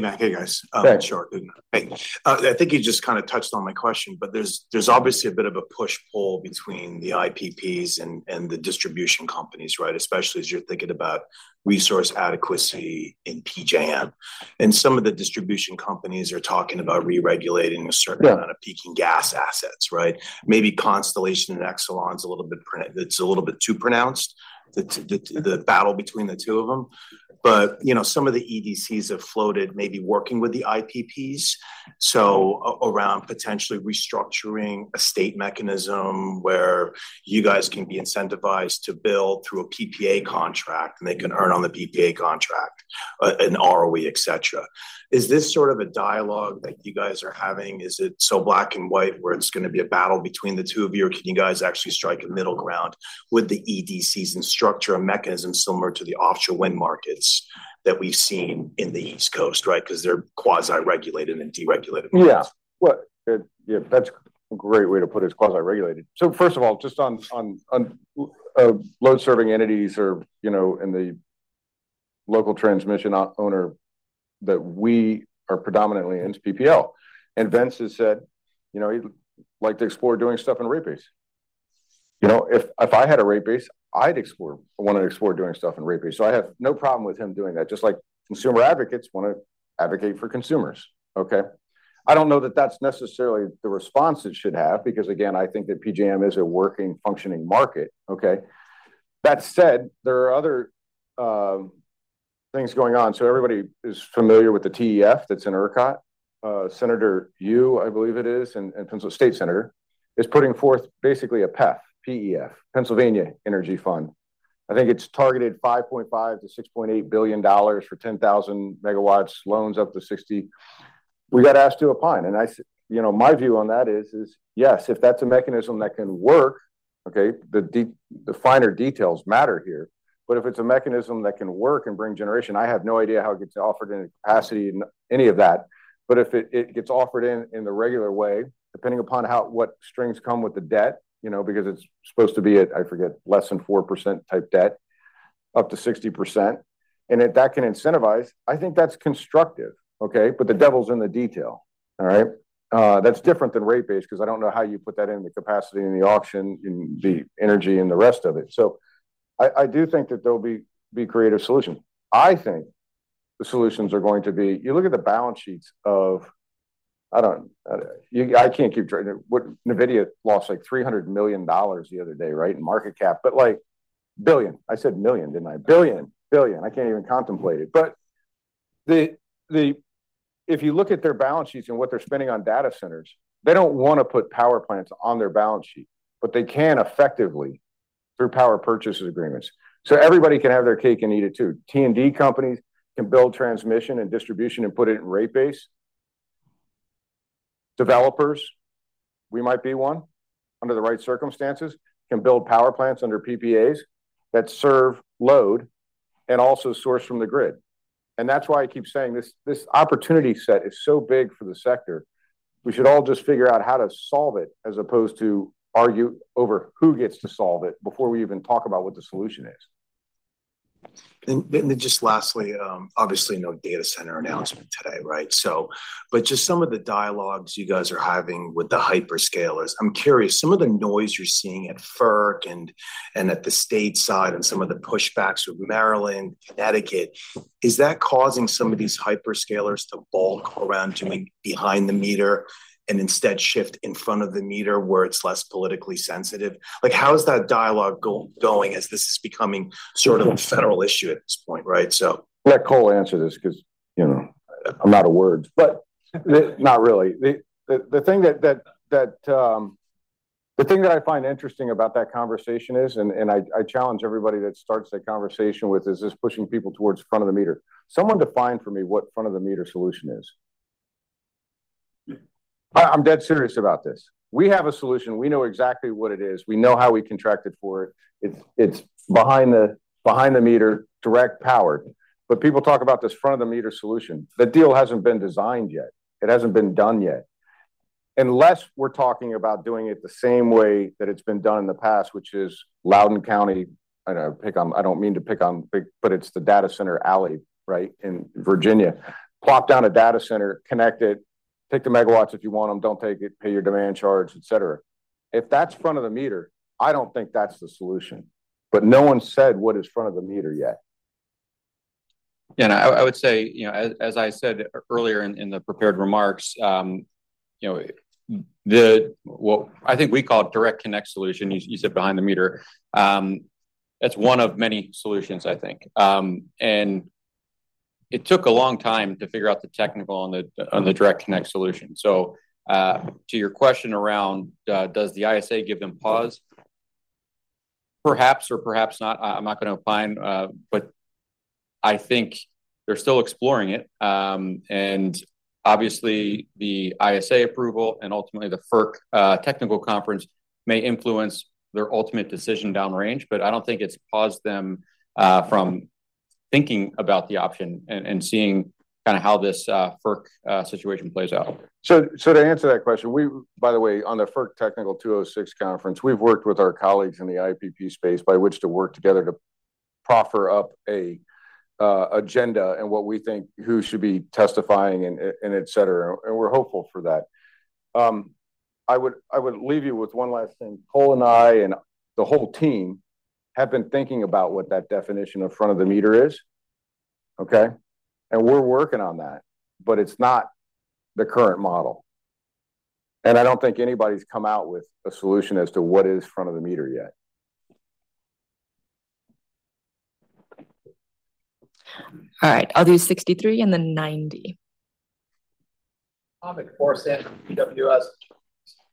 Hey, I think you just kind of touched on my question, but there's obviously a bit of a push-pull between the IPPs and the distribution companies, right? Especially as you're thinking about resource adequacy in PJM. And some of the distribution companies are talking about re-regulating a certain- Yeah amount of peaking gas assets, right? Maybe Constellation and Exelon is a little bit too pronounced, the battle between the two of them. But, you know, some of the EDCs have floated maybe working with the IPPs, so around potentially restructuring a state mechanism where you guys can be incentivized to build through a PPA contract, and they can earn on the PPA contract, and ROE, et cetera. Is this sort of a dialogue that you guys are having? Is it so black and white, where it's going to be a battle between the two of you, or can you guys actually strike a middle ground with the EDCs and structure a mechanism similar to the offshore wind markets that we've seen in the East Coast, right? Because they're quasi-regulated and deregulated. Yeah. Well, yeah, that's a great way to put it, it's quasi-regulated. So first of all, just on load-serving entities or, you know, in the local transmission owner, that we are predominantly into PPL. And Vincent has said, you know, he'd like to explore doing stuff in rate base. You know, if I had a rate base, I'd want to explore doing stuff in rate base. So I have no problem with him doing that, just like consumer advocates want to advocate for consumers, okay? I don't know that that's necessarily the response it should have, because again, I think that PJM is a working, functioning market, okay? That said, there are other things going on. So everybody is familiar with the TEF that's in ERCOT. Senator Yaw, I believe it is, and Pennsylvania state senator, is putting forth basically a PEF, P-E-F, Pennsylvania Energy Fund. I think it's targeted $5.5 billion-$6.8 billion for 10,000 MW, loans up to 60. We got asked to opine, and you know, my view on that is yes, if that's a mechanism that can work, okay, the finer details matter here. But if it's a mechanism that can work and bring generation, I have no idea how it gets offered in capacity and any of that, but if it gets offered in the regular way, depending upon what strings come with the debt, you know, because it's supposed to be at, I forget, less than 4% type debt, up to 60%, and if that can incentivize, I think that's constructive, okay? But the devil's in the detail. All right? That's different than rate base, because I don't know how you put that in the capacity, in the auction, in the energy, and the rest of it. So I do think that there'll be creative solution. I think the solutions are going to be... You look at the balance sheets of, I don't, you I can't keep track. What NVIDIA lost, like, $300 million the other day, right? In market cap. But like, billion, I said million, didn't I? Billion. Billion, I can't even contemplate it. But the If you look at their balance sheets and what they're spending on data centers, they don't want to put power plants on their balance sheet, but they can effectively through power purchase agreements. So everybody can have their cake and eat it, too. T&D companies can build transmission and distribution and put it in rate base. Developers, we might be one, under the right circumstances, can build power plants under PPAs that serve load and also source from the grid. And that's why I keep saying this, this opportunity set is so big for the sector. We should all just figure out how to solve it, as opposed to argue over who gets to solve it before we even talk about what the solution is. And just lastly, obviously, no data center announcement today, right? So, but just some of the dialogues you guys are having with the hyperscalers. I'm curious, some of the noise you're seeing at FERC and at the state side, and some of the pushbacks with Maryland, Connecticut, is that causing some of these hyperscalers to balk around, to make behind the meter, and instead shift in front of the meter where it's less politically sensitive? Like, how is that dialogue going as this is becoming sort of a federal issue at this point, right? So- Let Cole answer this, because, you know, I'm out of words, but not really. The thing that I find interesting about that conversation is, and I challenge everybody that starts that conversation with, is this pushing people towards front of the meter? Someone define for me what front of the meter solution is. I'm dead serious about this. We have a solution. We know exactly what it is. We know how we contracted for it. It's behind the meter, direct powered. But people talk about this front of the meter solution. The deal hasn't been designed yet. It hasn't been done yet. Unless we're talking about doing it the same way that it's been done in the past, which is Loudoun County. I know, pick on, I don't mean to pick on big, but it's the data center alley, right, in Virginia. Plop down a data center, connect it, take the MW if you want them, don't take it, pay your demand charge, et cetera. If that's front of the meter, I don't think that's the solution. But no one said what is front of the meter yet. And I would say, you know, as I said earlier in the prepared remarks, you know, the what I think we call direct connect solution. You said behind the meter, that's one of many solutions, I think. And it took a long time to figure out the technical on the direct connect solution. So, to your question around, does the ISA give them pause? Perhaps or perhaps not. I'm not going to opine, but I think they're still exploring it. And obviously, the ISA approval and ultimately the FERC technical conference may influence their ultimate decision down the range, but I don't think it's paused them from thinking about the option and seeing kind of how this FERC situation plays out. To answer that question, by the way, on the FERC Technical 206 conference, we've worked with our colleagues in the IPP space by which to work together to proffer up an agenda and what we think who should be testifying and et cetera, and we're hopeful for that. I would leave you with one last thing. Cole and I and the whole team have been thinking about what that definition of front of the meter is, okay? We're working on that, but it's not the current model. I don't think anybody's come out with a solution as to what is front of the meter yet. All right, I'll do 63 and then 90. Hamed Khorsand, BWS. Yeah.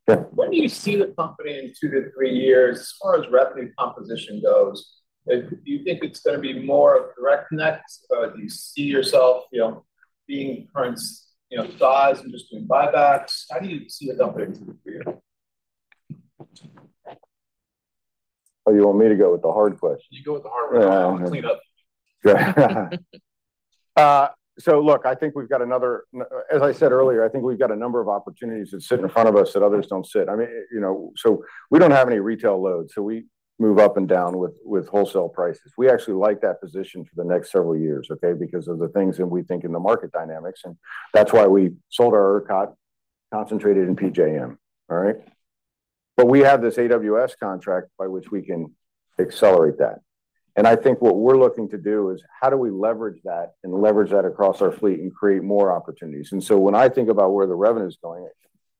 When do you see the company in two to three years, as far as revenue composition goes? Do you think it's gonna be more of direct connects, or do you see yourself, you know, being current, you know, size and just doing buybacks? How do you see the company in two to three years? Oh, you want me to go with the hard question? You go with the hard one. Yeah. I'll clean up. So look, as I said earlier, I think we've got a number of opportunities that sit in front of us that others don't sit. I mean, you know, so we don't have any retail load, so we move up and down with wholesale prices. We actually like that position for the next several years, okay? Because of the things that we think in the market dynamics, and that's why we sold our ERCOT, concentrated in PJM. All right? But we have this AWS contract by which we can accelerate that, and I think what we're looking to do is how do we leverage that and leverage that across our fleet and create more opportunities? And so when I think about where the revenue is going,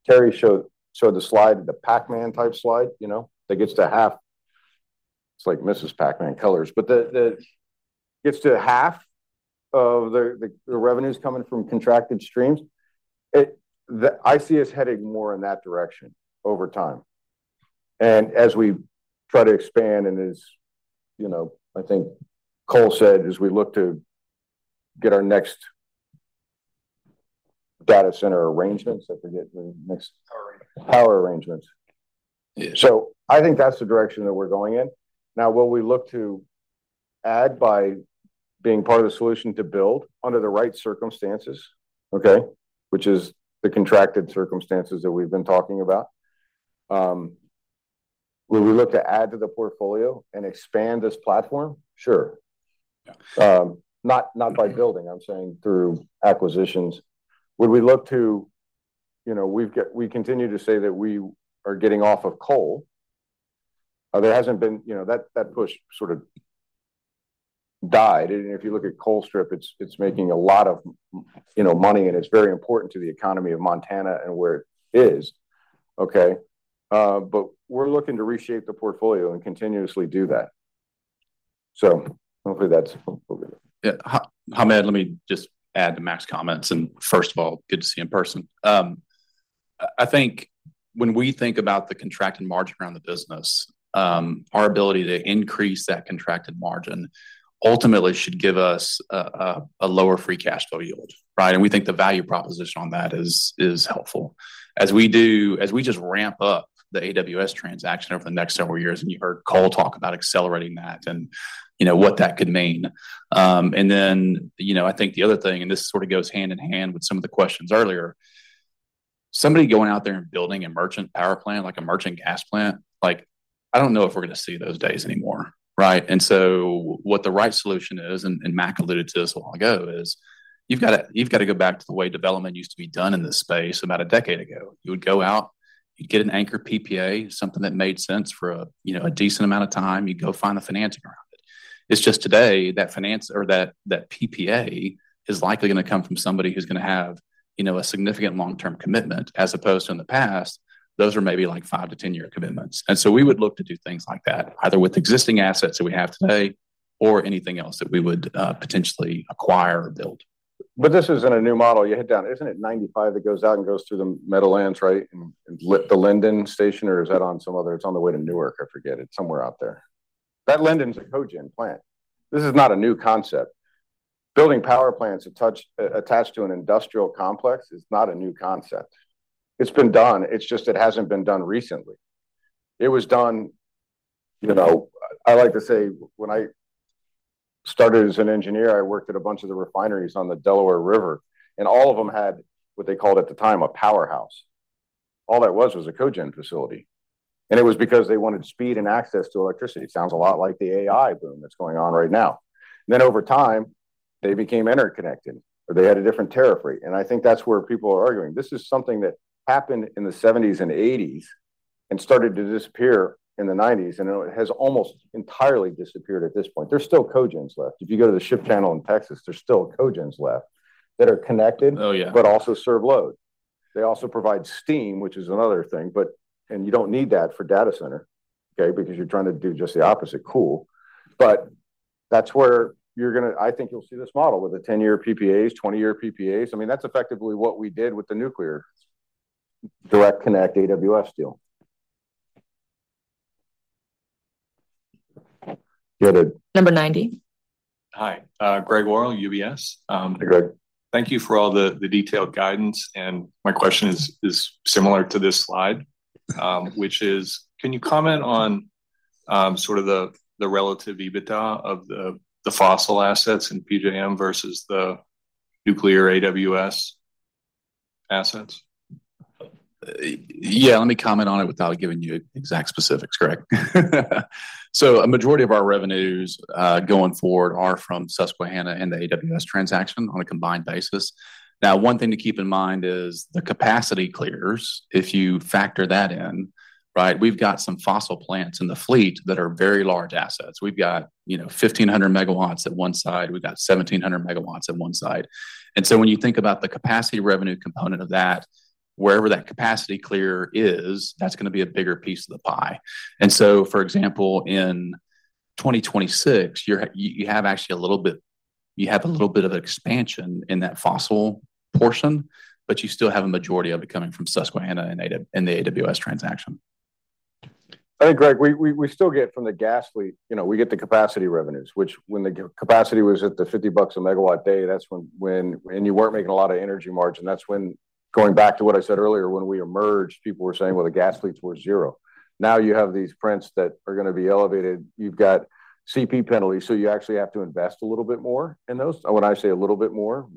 Terry showed the slide, the Pac-Man type slide, you know, that gets to half. It's like Mrs. Pac-Man colors, but the gets to half of the revenues coming from contracted streams. I see us heading more in that direction over time. As we try to expand, and as you know, I think Cole said, as we look to get our next data center arrangements, I forget the next- Power arrangements. Power arrangements. Yeah. So I think that's the direction that we're going in. Now, will we look to add by being part of the solution to build under the right circumstances? Okay, which is the contracted circumstances that we've been talking about. Will we look to add to the portfolio and expand this platform? Sure. Yeah. Not by building, I'm saying through acquisitions. Would we look to... You know, we've got we continue to say that we are getting off of coal. There hasn't been, you know, that push sort of died, and if you look at Colstrip, it's making a lot of, you know, money, and it's very important to the economy of Montana and where it is. Okay? But we're looking to reshape the portfolio and continuously do that. Hopefully that's appropriate. Yeah, Hamed, let me just add to Mac's comments, and first of all, good to see you in person. I think when we think about the contracted margin around the business, our ability to increase that contracted margin ultimately should give us a lower free cash flow yield, right? And we think the value proposition on that is helpful. As we just ramp up the AWS transaction over the next several years, and you heard Cole talk about accelerating that and you know, what that could mean. And then, you know, I think the other thing, and this sort of goes hand in hand with some of the questions earlier, somebody going out there and building a merchant power plant, like a merchant gas plant, like, I don't know if we're going to see those days anymore, right? What the right solution is, and Mac alluded to this a while ago, is you've got to go back to the way development used to be done in this space about a decade ago. You would go out, you'd get an anchor PPA, something that made sense for a, you know, a decent amount of time, you'd go find the financing around it. It's just today, that finance or that PPA is likely gonna come from somebody who's gonna have, you know, a significant long-term commitment, as opposed to in the past, those are maybe like five to 10-year commitments. We would look to do things like that, either with existing assets that we have today or anything else that we would potentially acquire or build. But this isn't a new model. You head down, isn't it 95 that goes out and goes through the Meadowlands, right? And the Linden station, or is that on some other. It's on the way to Newark, I forget, it's somewhere out there. That Linden's a cogen plant. This is not a new concept. Building power plants attached, attached to an industrial complex is not a new concept. It's been done, it's just that it hasn't been done recently. It was done, you know. I like to say, when I started as an engineer, I worked at a bunch of the refineries on the Delaware River, and all of them had what they called at the time, a powerhouse. All that was, was a cogen facility, and it was because they wanted speed and access to electricity. Sounds a lot like the AI boom that's going on right now. Then over time, they became interconnected, or they had a different tariff rate, and I think that's where people are arguing. This is something that happened in the '70s and '80s and started to disappear in the '90s, and it has almost entirely disappeared at this point. There's still cogens left. If you go to the ship channel in Texas, there's still cogens left that are connected- Oh, yeah. but also serve load. They also provide steam, which is another thing, but and you don't need that for data center, okay? Because you're trying to do just the opposite, cool. But that's where you're gonna I think you'll see this model with the 10-year PPAs, 20-year PPAs. I mean, that's effectively what we did with the nuclear direct connect AWS deal. Go ahead. Number 90. Hi, Greg Orrill, UBS. Hey, Greg. Thank you for all the detailed guidance, and my question is similar to this slide, which is: Can you comment on sort of the relative EBITDA of the fossil assets in PJM versus the nuclear AWS?... assets? Yeah, let me comment on it without giving you exact specifics, Greg. So a majority of our revenues going forward are from Susquehanna and the AWS transaction on a combined basis. Now, one thing to keep in mind is the capacity clears, if you factor that in, right? We've got some fossil plants in the fleet that are very large assets. We've got, you know, 1,500 MW at one site, we've got 1,700 MW at one site. And so when you think about the capacity revenue component of that, wherever that capacity clear is, that's gonna be a bigger piece of the pie. And so, for example, in 2026, you actually have a little bit of expansion in that fossil portion, but you still have a majority of it coming from Susquehanna and the AWS transaction. I think, Greg, we still get from the gas fleet, you know, we get the capacity revenues, which when the capacity was at the $50 a MW day, that's when, and you weren't making a lot of energy margin. That's when, going back to what I said earlier, when we emerged, people were saying, well, the gas fleets were zero. Now, you have these plants that are gonna be elevated. You've got CP penalties, so you actually have to invest a little bit more in those. When I say a little bit more,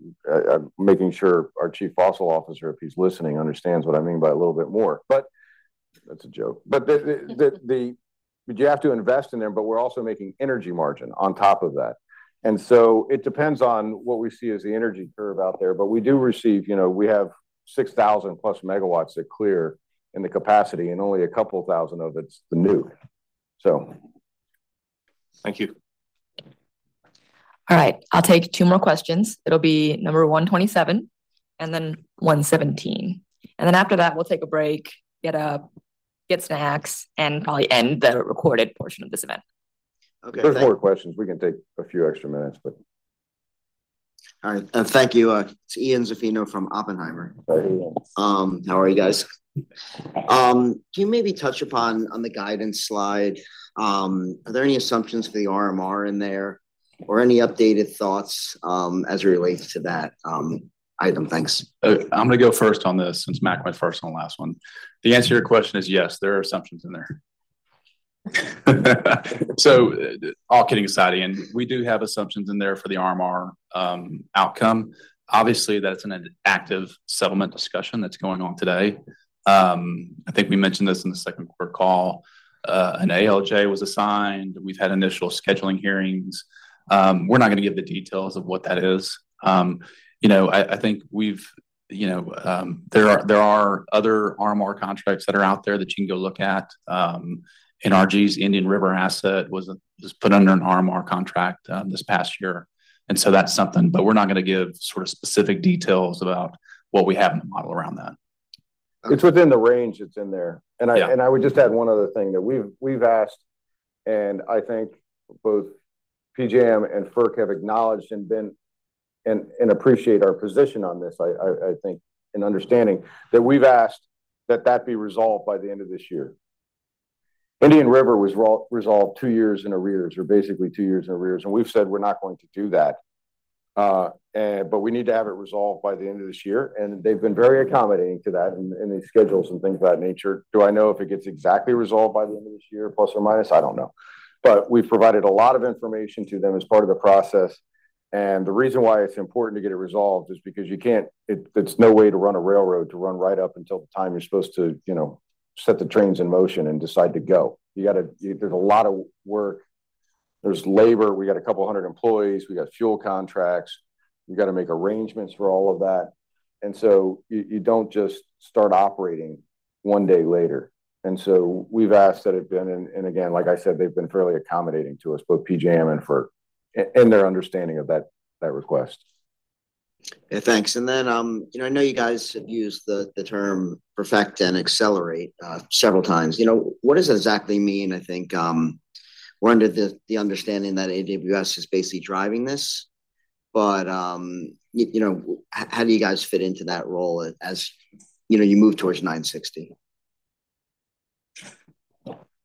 making sure our Chief Fossil Officer, if he's listening, understands what I mean by a little bit more, but that's a joke. But the, but you have to invest in there, but we're also making energy margin on top of that. It depends on what we see as the energy curve out there. But we do receive, you know, we have 6,000+ MW that clear in the capacity, and only a couple thousand of it’s the new. So... Thank you. All right, I'll take two more questions. It'll be number 127 and then 117. And then after that, we'll take a break, get up, get snacks, and probably end the recorded portion of this event. Okay. There's more questions. We can take a few extra minutes, but... All right. Thank you. It's Ian Zaffino from Oppenheimer. Hi, Ian. How are you guys? Can you maybe touch upon the guidance slide? Are there any assumptions for the RMR in there or any updated thoughts as it relates to that item? Thanks. I'm going to go first on this, since Mac my first and last one. The answer to your question is yes, there are assumptions in there. So all kidding aside, Ian, we do have assumptions in there for the RMR outcome. Obviously, that's an active settlement discussion that's going on today. I think we mentioned this in the second quarter call. An ALJ was assigned, we've had initial scheduling hearings. We're not going to give the details of what that is. You know, I think we've... You know, there are other RMR contracts that are out there that you can go look at. NRG's Indian River asset was put under an RMR contract this past year, and so that's something. But we're not going to give sort of specific details about what we have in the model around that. It's within the range. It's in there. Yeah. And I would just add one other thing, that we've asked, and I think both PJM and FERC have acknowledged and appreciate our position on this. I think in understanding that we've asked that that be resolved by the end of this year. Indian River was re-resolved two years in arrears or basically two years in arrears, and we've said we're not going to do that. But we need to have it resolved by the end of this year, and they've been very accommodating to that in these schedules and things of that nature. Do I know if it gets exactly resolved by the end of this year, plus or minus? I don't know. But we've provided a lot of information to them as part of the process. The reason why it's important to get it resolved is because you can't. It, it's no way to run a railroad, to run right up until the time you're supposed to, you know, set the trains in motion and decide to go. You got to. There's a lot of work, there's labor. We got a couple of hundred employees, we got fuel contracts. We've got to make arrangements for all of that, and so you, you don't just start operating one day later. And so we've asked that it's been. And, and again, like I said, they've been fairly accommodating to us, both PJM and FERC, in, in their understanding of that, that request. Yeah, thanks. And then, you know, I know you guys have used the term perfect and accelerate several times. You know, what does that exactly mean? I think, we're under the understanding that AWS is basically driving this, but, you know, how do you guys fit into that role as, you know, you move towards 960?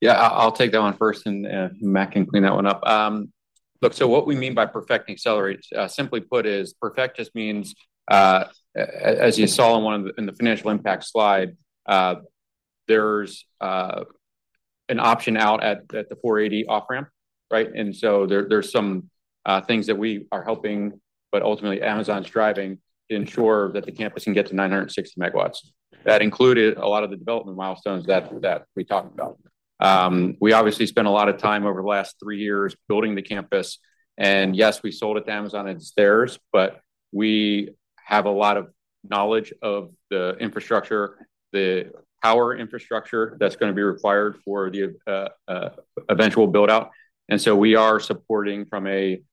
Yeah, I'll take that one first, and Mac can clean that one up. Look, so what we mean by perfect and accelerate, simply put, is perfect just means, as you saw in one of the financial impact slide, there's an option out at the 480 off-ramp, right? And so there's some things that we are helping, but ultimately, Amazon's driving to ensure that the campus can get to 960 MW. That included a lot of the development milestones that we talked about. We obviously spent a lot of time over the last three years building the campus, and yes, we sold it to Amazon and AWS, but we have a lot of knowledge of the infrastructure, the power infrastructure that's going to be required for the eventual build-out. And so we are supporting from a, you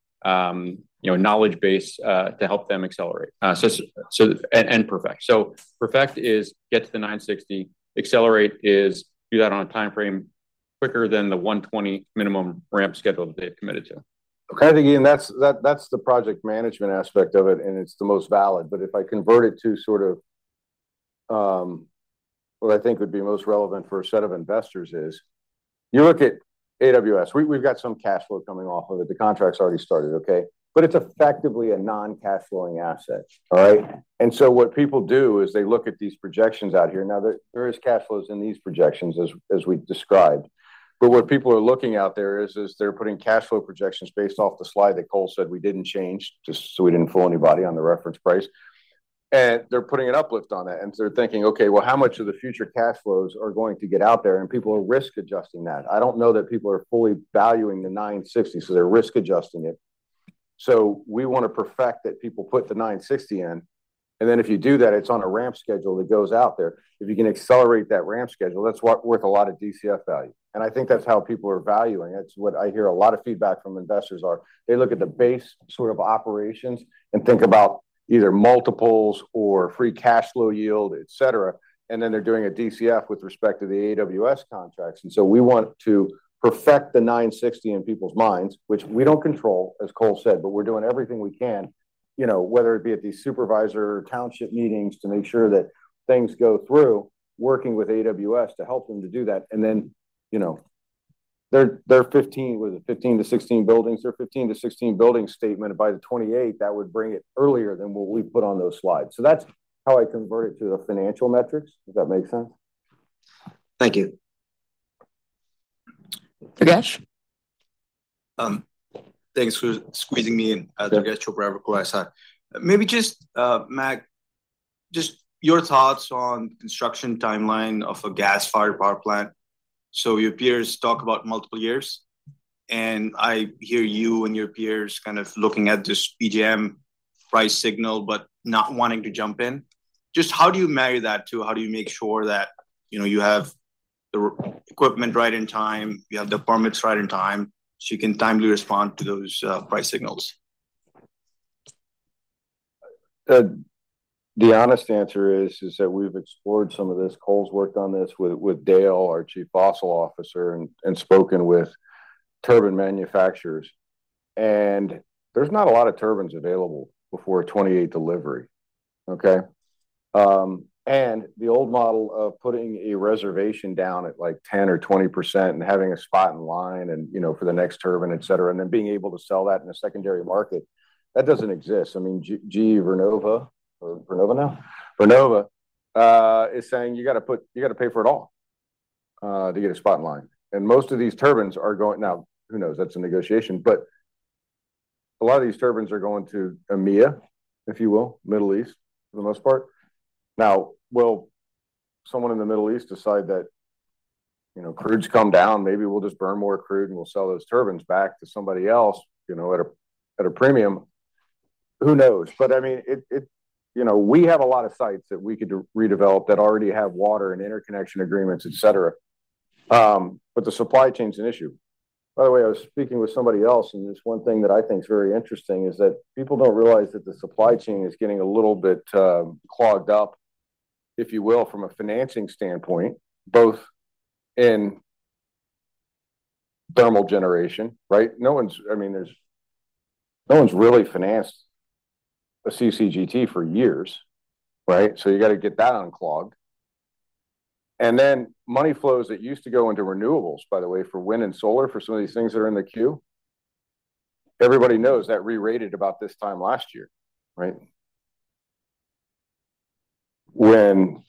know, knowledge base, to help them accelerate, and perfect. So perfect is get to the 960, accelerate is do that on a time frame quicker than the 120 minimum ramp schedule they've committed to. I think, Ian, that's the project management aspect of it, and it's the most valid. But if I convert it to sort of what I think would be most relevant for a set of investors is, you look at AWS, we've got some cash flow coming off of it. The contract's already started, okay? But it's effectively a non-cash flowing asset, all right? And so what people do is they look at these projections out here. Now, there is cash flows in these projections as we described, but what people are looking out there is, they're putting cash flow projections based off the slide that Cole said we didn't change, just so we didn't fool anybody on the reference price.... And they're putting an uplift on that, and so they're thinking, okay, well, how much of the future cash flows are going to get out there? And people are risk adjusting that. I don't know that people are fully valuing the 960, so they're risk adjusting it. So we want to perfect that people put the 960 in, and then if you do that, it's on a ramp schedule that goes out there. If you can accelerate that ramp schedule, that's worth a lot of DCF value, and I think that's how people are valuing. It's what I hear a lot of feedback from investors are. They look at the base sort of operations and think about either multiples or free cash flow yield, et cetera, and then they're doing a DCF with respect to the AWS contracts. And so we want to perfect the 960 in people's minds, which we don't control, as Cole said, but we're doing everything we can, you know, whether it be at the supervisor or township meetings, to make sure that things go through working with AWS to help them do that. And then, you know, there are 15-16 buildings tenanted by 2028 that would bring it earlier than what we put on those slides. So that's how I convert it to the financial metrics. Does that make sense? Thank you. Thanks for squeezing me in. Durgesh Chopra, Evercore ISI. Maybe just, Mac, just your thoughts on construction timeline of a gas-fired power plant. So your peers talk about multiple years, and I hear you and your peers kind of looking at this PJM price signal, but not wanting to jump in. Just how do you marry that to how do you make sure that, you know, you have the equipment right in time, you have the permits right in time, so you can timely respond to those price signals? The honest answer is that we've explored some of this. Cole's worked on this with Dale, our Chief Fossil Officer, and spoken with turbine manufacturers. There's not a lot of turbines available before a 2028 delivery, okay? And the old model of putting a reservation down at, like, 10% or 20% and having a spot in line and, you know, for the next turbine, et cetera, and then being able to sell that in a secondary market, that doesn't exist. I mean, GE Vernova is saying you gotta pay for it all to get a spot in line, and most of these turbines are going. Who knows? That's a negotiation, but a lot of these turbines are going to AMEA, if you will, Middle East, for the most part. Now, will someone in the Middle East decide that, you know, crude's come down, maybe we'll just burn more crude, and we'll sell those turbines back to somebody else, you know, at a premium? Who knows? But I mean, it, you know, we have a lot of sites that we could redevelop that already have water and interconnection agreements, et cetera, but the supply chain's an issue. By the way, I was speaking with somebody else, and there's one thing that I think is very interesting is that people don't realize that the supply chain is getting a little bit clogged up, if you will, from a financing standpoint, both in thermal generation, right? No one's really financed a CCGT for years, right? So you got to get that unclogged. Then money flows that used to go into renewables, by the way, for wind and solar, for some of these things that are in the queue. Everybody knows that re-rated about this time last year, right? When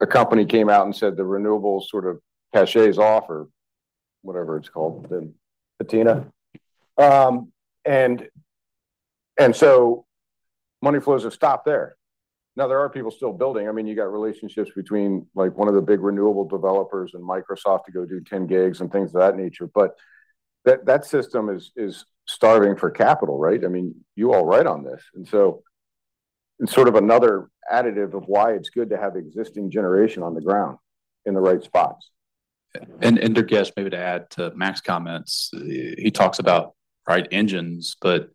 a company came out and said the renewables sort of cachet is off or whatever it's called, the patina. And so money flows have stopped there. Now, there are people still building. I mean, you got relationships between, like, one of the big renewable developers and Microsoft to go do 10 GW and things of that nature, but that system is starving for capital, right? I mean, you all write on this, and so it's sort of another additive of why it's good to have existing generation on the ground in the right spots. Durgesh, maybe to add to Mac's comments, he talks about right engines, but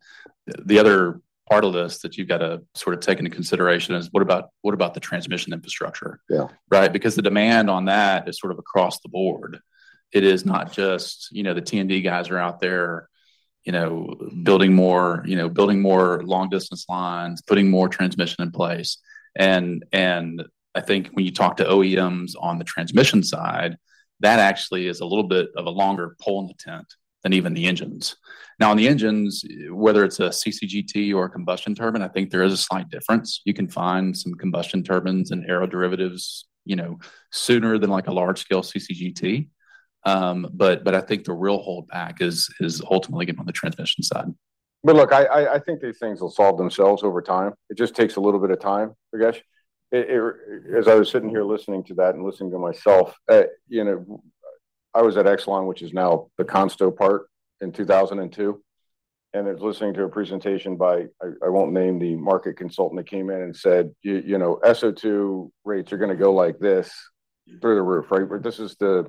the other part of this that you've got to sort of take into consideration is what about the transmission infrastructure? Yeah. Right? Because the demand on that is sort of across the board. It is not just, you know, the T&D guys are out there, you know, building more, you know, building more long-distance lines, putting more transmission in place. And I think when you talk to OEMs on the transmission side, that actually is a little bit of a longer pole in the tent than even the engines. Now, on the engines, whether it's a CCGT or a combustion turbine, I think there is a slight difference. You can find some combustion turbines and aero derivatives, you know, sooner than, like, a large-scale CCGT. But I think the real holdback is ultimately again, on the transmission side. But look, I think these things will solve themselves over time. It just takes a little bit of time, I guess. As I was sitting here listening to that and listening to myself, you know, I was at Exelon, which is now the Constellation part, in 2002, and I was listening to a presentation by, I won't name the market consultant that came in and said, "You know, SO2 rates are gonna go like this, through the roof," right? But this is the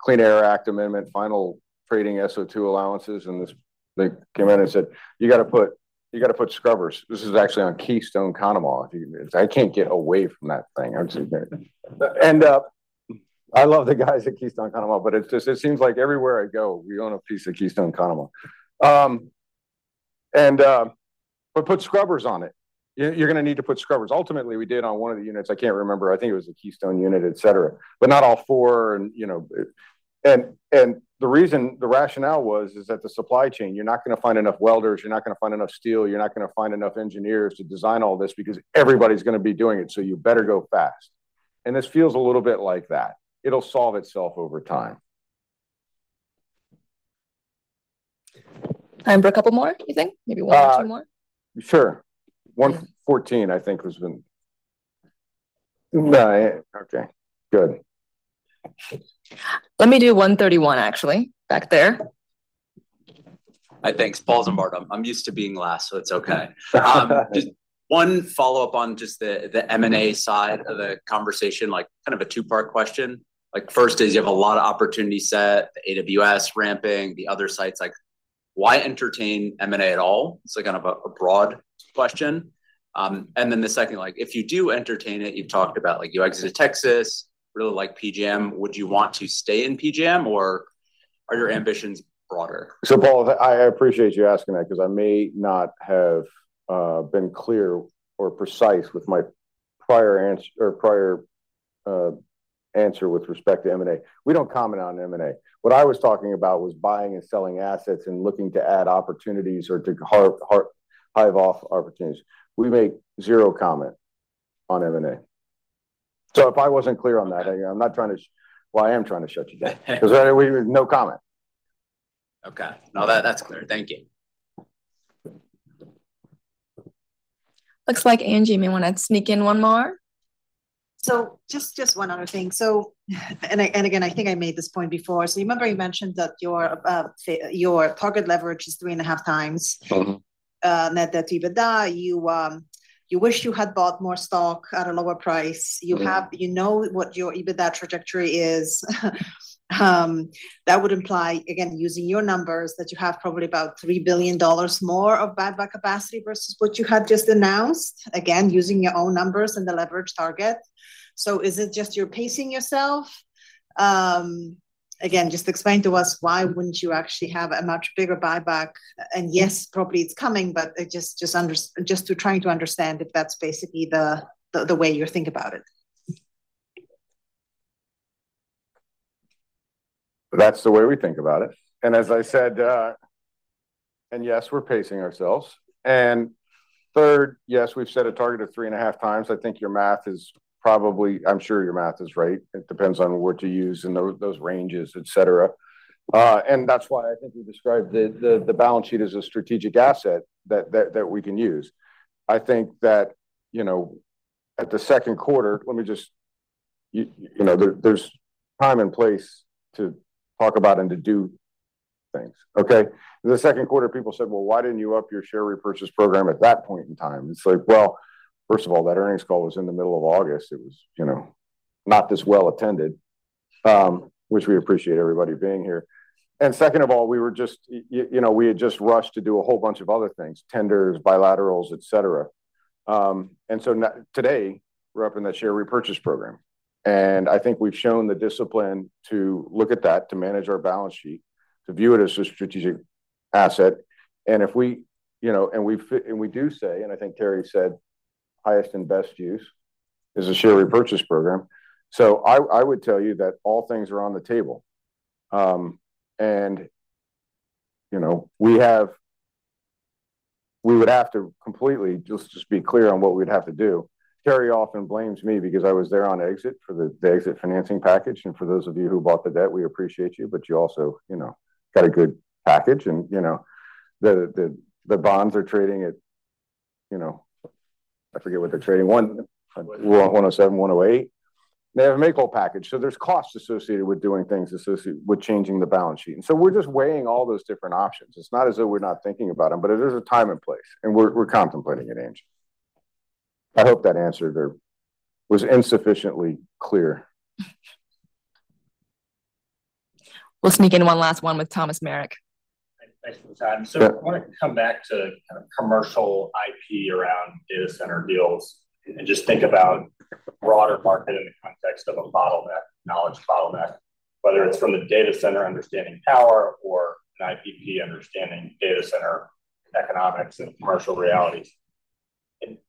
Clean Air Act Amendment, final trading SO2 allowances, and this. They came in and said, "You gotta put scrubbers." This is actually on Keystone Conemaugh. I can't get away from that thing. And I love the guys at Keystone Conemaugh, but it's just, it seems like everywhere I go, we own a piece of Keystone Conemaugh. But put scrubbers on it. You're gonna need to put scrubbers. Ultimately, we did on one of the units. I can't remember, I think it was a Keystone unit, et cetera, but not all four and, you know. And the reason, the rationale was, is that the supply chain, you're not gonna find enough welders, you're not gonna find enough steel, you're not gonna find enough engineers to design all this because everybody's gonna be doing it, so you better go fast. And this feels a little bit like that. It'll solve itself over time.... Time for a couple more, you think? Maybe one or two more. Sure. 114, I think has been- No, I- Okay, good. Let me do one 31 actually, back there. Hi. Thanks, Paul Zimbardo. I'm used to being last, so it's okay. Just one follow-up on just the M&A side of the conversation, like, kind of a two-part question. Like, first is you have a lot of opportunity set, the AWS ramping the other sites, like, why entertain M&A at all? It's like kind of a broad question. And then the second, like, if you do entertain it, you've talked about, like, you exit Texas, really like PJM. Would you want to stay in PJM, or are your ambitions broader? Paul, I appreciate you asking that because I may not have been clear or precise with my prior answer with respect to M&A. We don't comment on M&A. What I was talking about was buying and selling assets and looking to add opportunities or to hive off opportunities. We make zero comment on M&A. So if I wasn't clear on that, I'm not trying to... Well, I am trying to shut you down because we no comment. Okay. No, that, that's clear. Thank you. Looks like Angie may want to sneak in one more. Just one other thing. And again, I think I made this point before. You remember you mentioned that your target leverage is three and a half times- Mm-hmm. Net debt to EBITDA. You wish you had bought more stock at a lower price. Yeah. You have, you know what your EBITDA trajectory is. That would imply, again, using your numbers, that you have probably about $3 billion more of buyback capacity versus what you had just announced. Again, using your own numbers and the leverage target. So is it just you're pacing yourself? Again, just explain to us why wouldn't you actually have a much bigger buyback? And yes, probably it's coming, but just trying to understand if that's basically the way you think about it. That's the way we think about it. And as I said, and yes, we're pacing ourselves. And third, yes, we've set a target of three and a half times. I think your math is probably. I'm sure your math is right. It depends on what you use and those ranges, et cetera. And that's why I think we described the balance sheet as a strategic asset that we can use. I think that, you know, at the second quarter, you know, there's time and place to talk about and to do things, okay? In the second quarter, people said, "Well, why didn't you up your share repurchase program at that point in time?" It's like, well, first of all, that earnings call was in the middle of August. It was, you know, not this well attended, which we appreciate everybody being here. And second of all, we were just, you know, we had just rushed to do a whole bunch of other things, tenders, bilaterals, et cetera. And so today, we're up in that share repurchase program, and I think we've shown the discipline to look at that, to manage our balance sheet, to view it as a strategic asset. And if we, you know, and we do say, and I think Terry said, highest and best use is a share repurchase program. So I would tell you that all things are on the table. And, you know, we would have to completely, just be clear on what we'd have to do. Terry often blames me because I was there on exit for the exit financing package. For those of you who bought the debt, we appreciate you, but you also, you know, got a good package. You know, the bonds are trading at, you know, I forget what they're trading, $107, $108. They have a make-whole package, so there's costs associated with doing things, associated with changing the balance sheet. So we're just weighing all those different options. It's not as though we're not thinking about them, but it is a time and place, and we're contemplating it, Angie. I hope that answered or was insufficiently clear. We'll sneak in one last one with Thomas Meric. Thanks, thanks for the time. Yeah. I want to come back to kind of commercial IP around data center deals, and just think about broader market in the context of a bottleneck, knowledge bottleneck. Whether it's from the data center, understanding power or an IPP, understanding data center economics and commercial realities.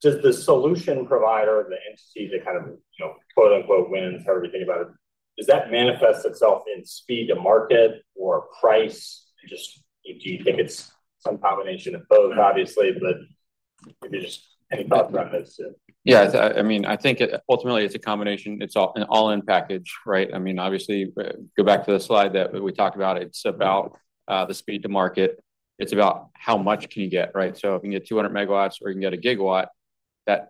Does the solution provider, the entity, that kind of, you know, quote, unquote, "win" for everything about it, manifest itself in speed to market or price? Just, do you think it's some combination of both, obviously, but maybe just any thought from it? Yeah, I mean, I think ultimately, it's a combination. It's an all-in package, right? I mean, obviously, go back to the slide that we talked about. It's about the speed to market. It's about how much can you get, right? So if you can get 200 MW or you can get 1 GW,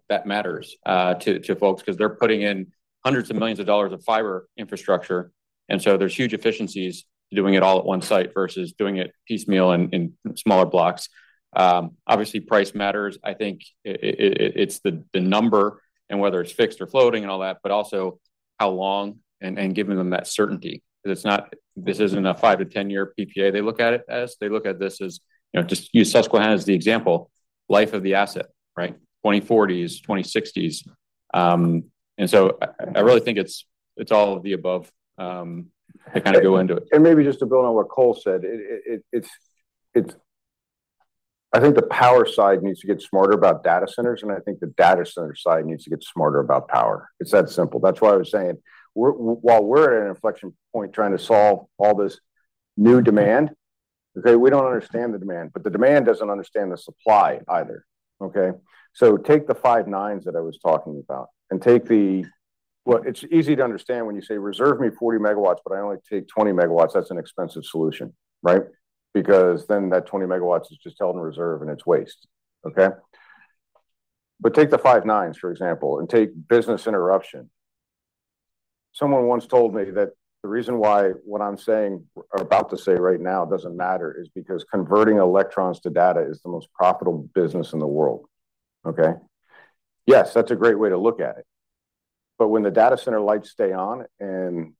that matters to folks because they're putting in hundreds of millions of dollars of fiber infrastructure. And so there's huge efficiencies to doing it all at one site versus doing it piecemeal in smaller blocks. Obviously, price matters. I think it's the number and whether it's fixed or floating and all that, but also how long and giving them that certainty. Because it's not. This isn't a 5-10-year PPA they look at it as. They look at this as, you know, just use Susquehanna as the example, life of the asset, right? 2040s, 2060s. And so I really think it's all of the above to kind of go into it. And maybe just to build on what Cole said, it's. I think the power side needs to get smarter about data centers, and I think the data center side needs to get smarter about power. It's that simple. That's why I was saying, while we're at an inflection point, trying to solve all this new demand, okay, we don't understand the demand, but the demand doesn't understand the supply either, okay? So take the five nines that I was talking about, and take the-... It's easy to understand when you say, "Reserve me 40 MW," but I only take 20 MW, that's an expensive solution, right? Because then that 20 MW is just held in reserve, and it's waste, okay? But take the five nines, for example, and take business interruption. Someone once told me that the reason why what I'm saying, or about to say right now, doesn't matter, is because converting electrons to data is the most profitable business in the world, okay? Yes, that's a great way to look at it, but when the data center lights stay on, and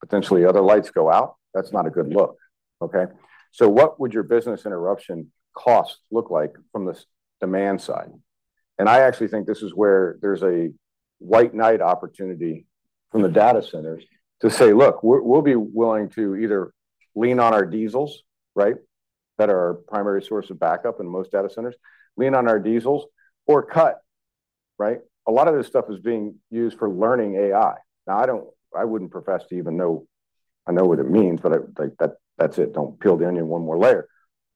potentially other lights go out, that's not a good look, okay? So what would your business interruption costs look like from the demand side? And I actually think this is where there's a white knight opportunity from the data centers to say: Look, we'll be willing to either lean on our diesels, right? That are our primary source of backup in most data centers. Lean on our diesels or cut, right? A lot of this stuff is being used for learning AI. Now, I wouldn't profess to even know. I don't know what it means, but like that, that's it, don't peel the onion one more layer.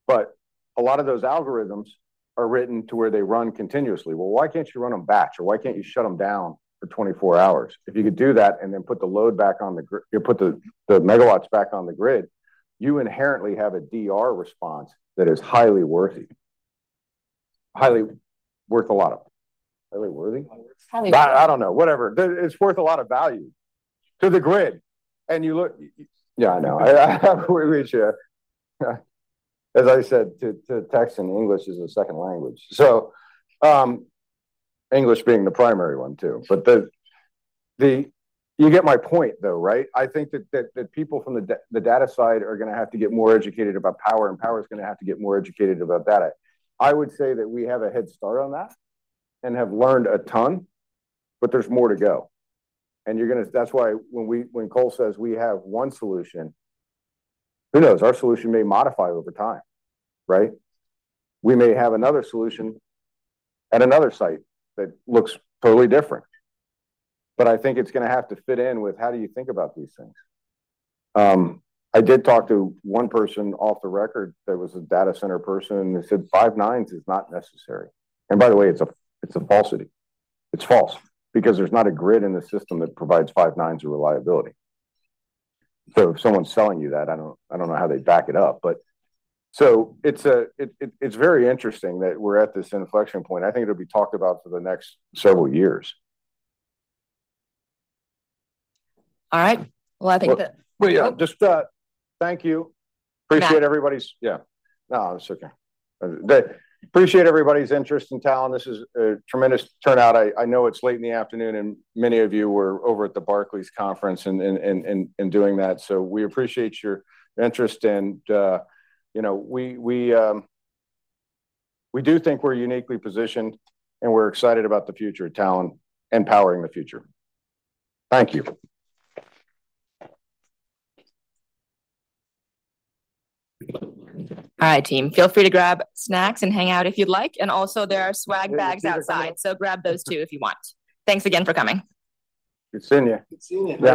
But a lot of those algorithms are written to where they run continuously. Well, why can't you run them batch, or why can't you shut them down for 24 hours? If you could do that and then put the load back on the grid, you put the MW back on the grid, you inherently have a DR response that is highly worthy. Highly worthy? Highly- I don't know, whatever, but it's worth a lot of value to the grid, and you look... Yeah, I know. We share. As I said, my English is a second language, so English being the primary one, too. But you get my point, though, right? I think that people from the data side are gonna have to get more educated about power, and power is gonna have to get more educated about data. I would say that we have a head start on that and have learned a ton, but there's more to go, and you're gonna. That's why when Cole says we have one solution, who knows? Our solution may modify over time, right? We may have another solution at another site that looks totally different, but I think it's gonna have to fit in with: how do you think about these things? I did talk to one person off the record, there was a data center person, and they said, "Five nines is not necessary," and by the way, it's a falsity. It's false, because there's not a grid in the system that provides five nines of reliability so if someone's selling you that, I don't know how they'd back it up, but... so it's very interesting that we're at this inflection point. I think it'll be talked about for the next several years. All right, well, I think that- Well, yeah, just, thank you. Appreciate everybody's- Mac. Yeah. No, it's okay. But appreciate everybody's interest in Talen. This is a tremendous turnout. I know it's late in the afternoon, and many of you were over at the Barclays conference and doing that. So we appreciate your interest, and you know, we do think we're uniquely positioned, and we're excited about the future of Talen and powering the future. Thank you. All right, team. Feel free to grab snacks and hang out if you'd like, and also, there are swag bags outside, so grab those, too, if you want. Thanks again for coming. Good seeing you. Good seeing you.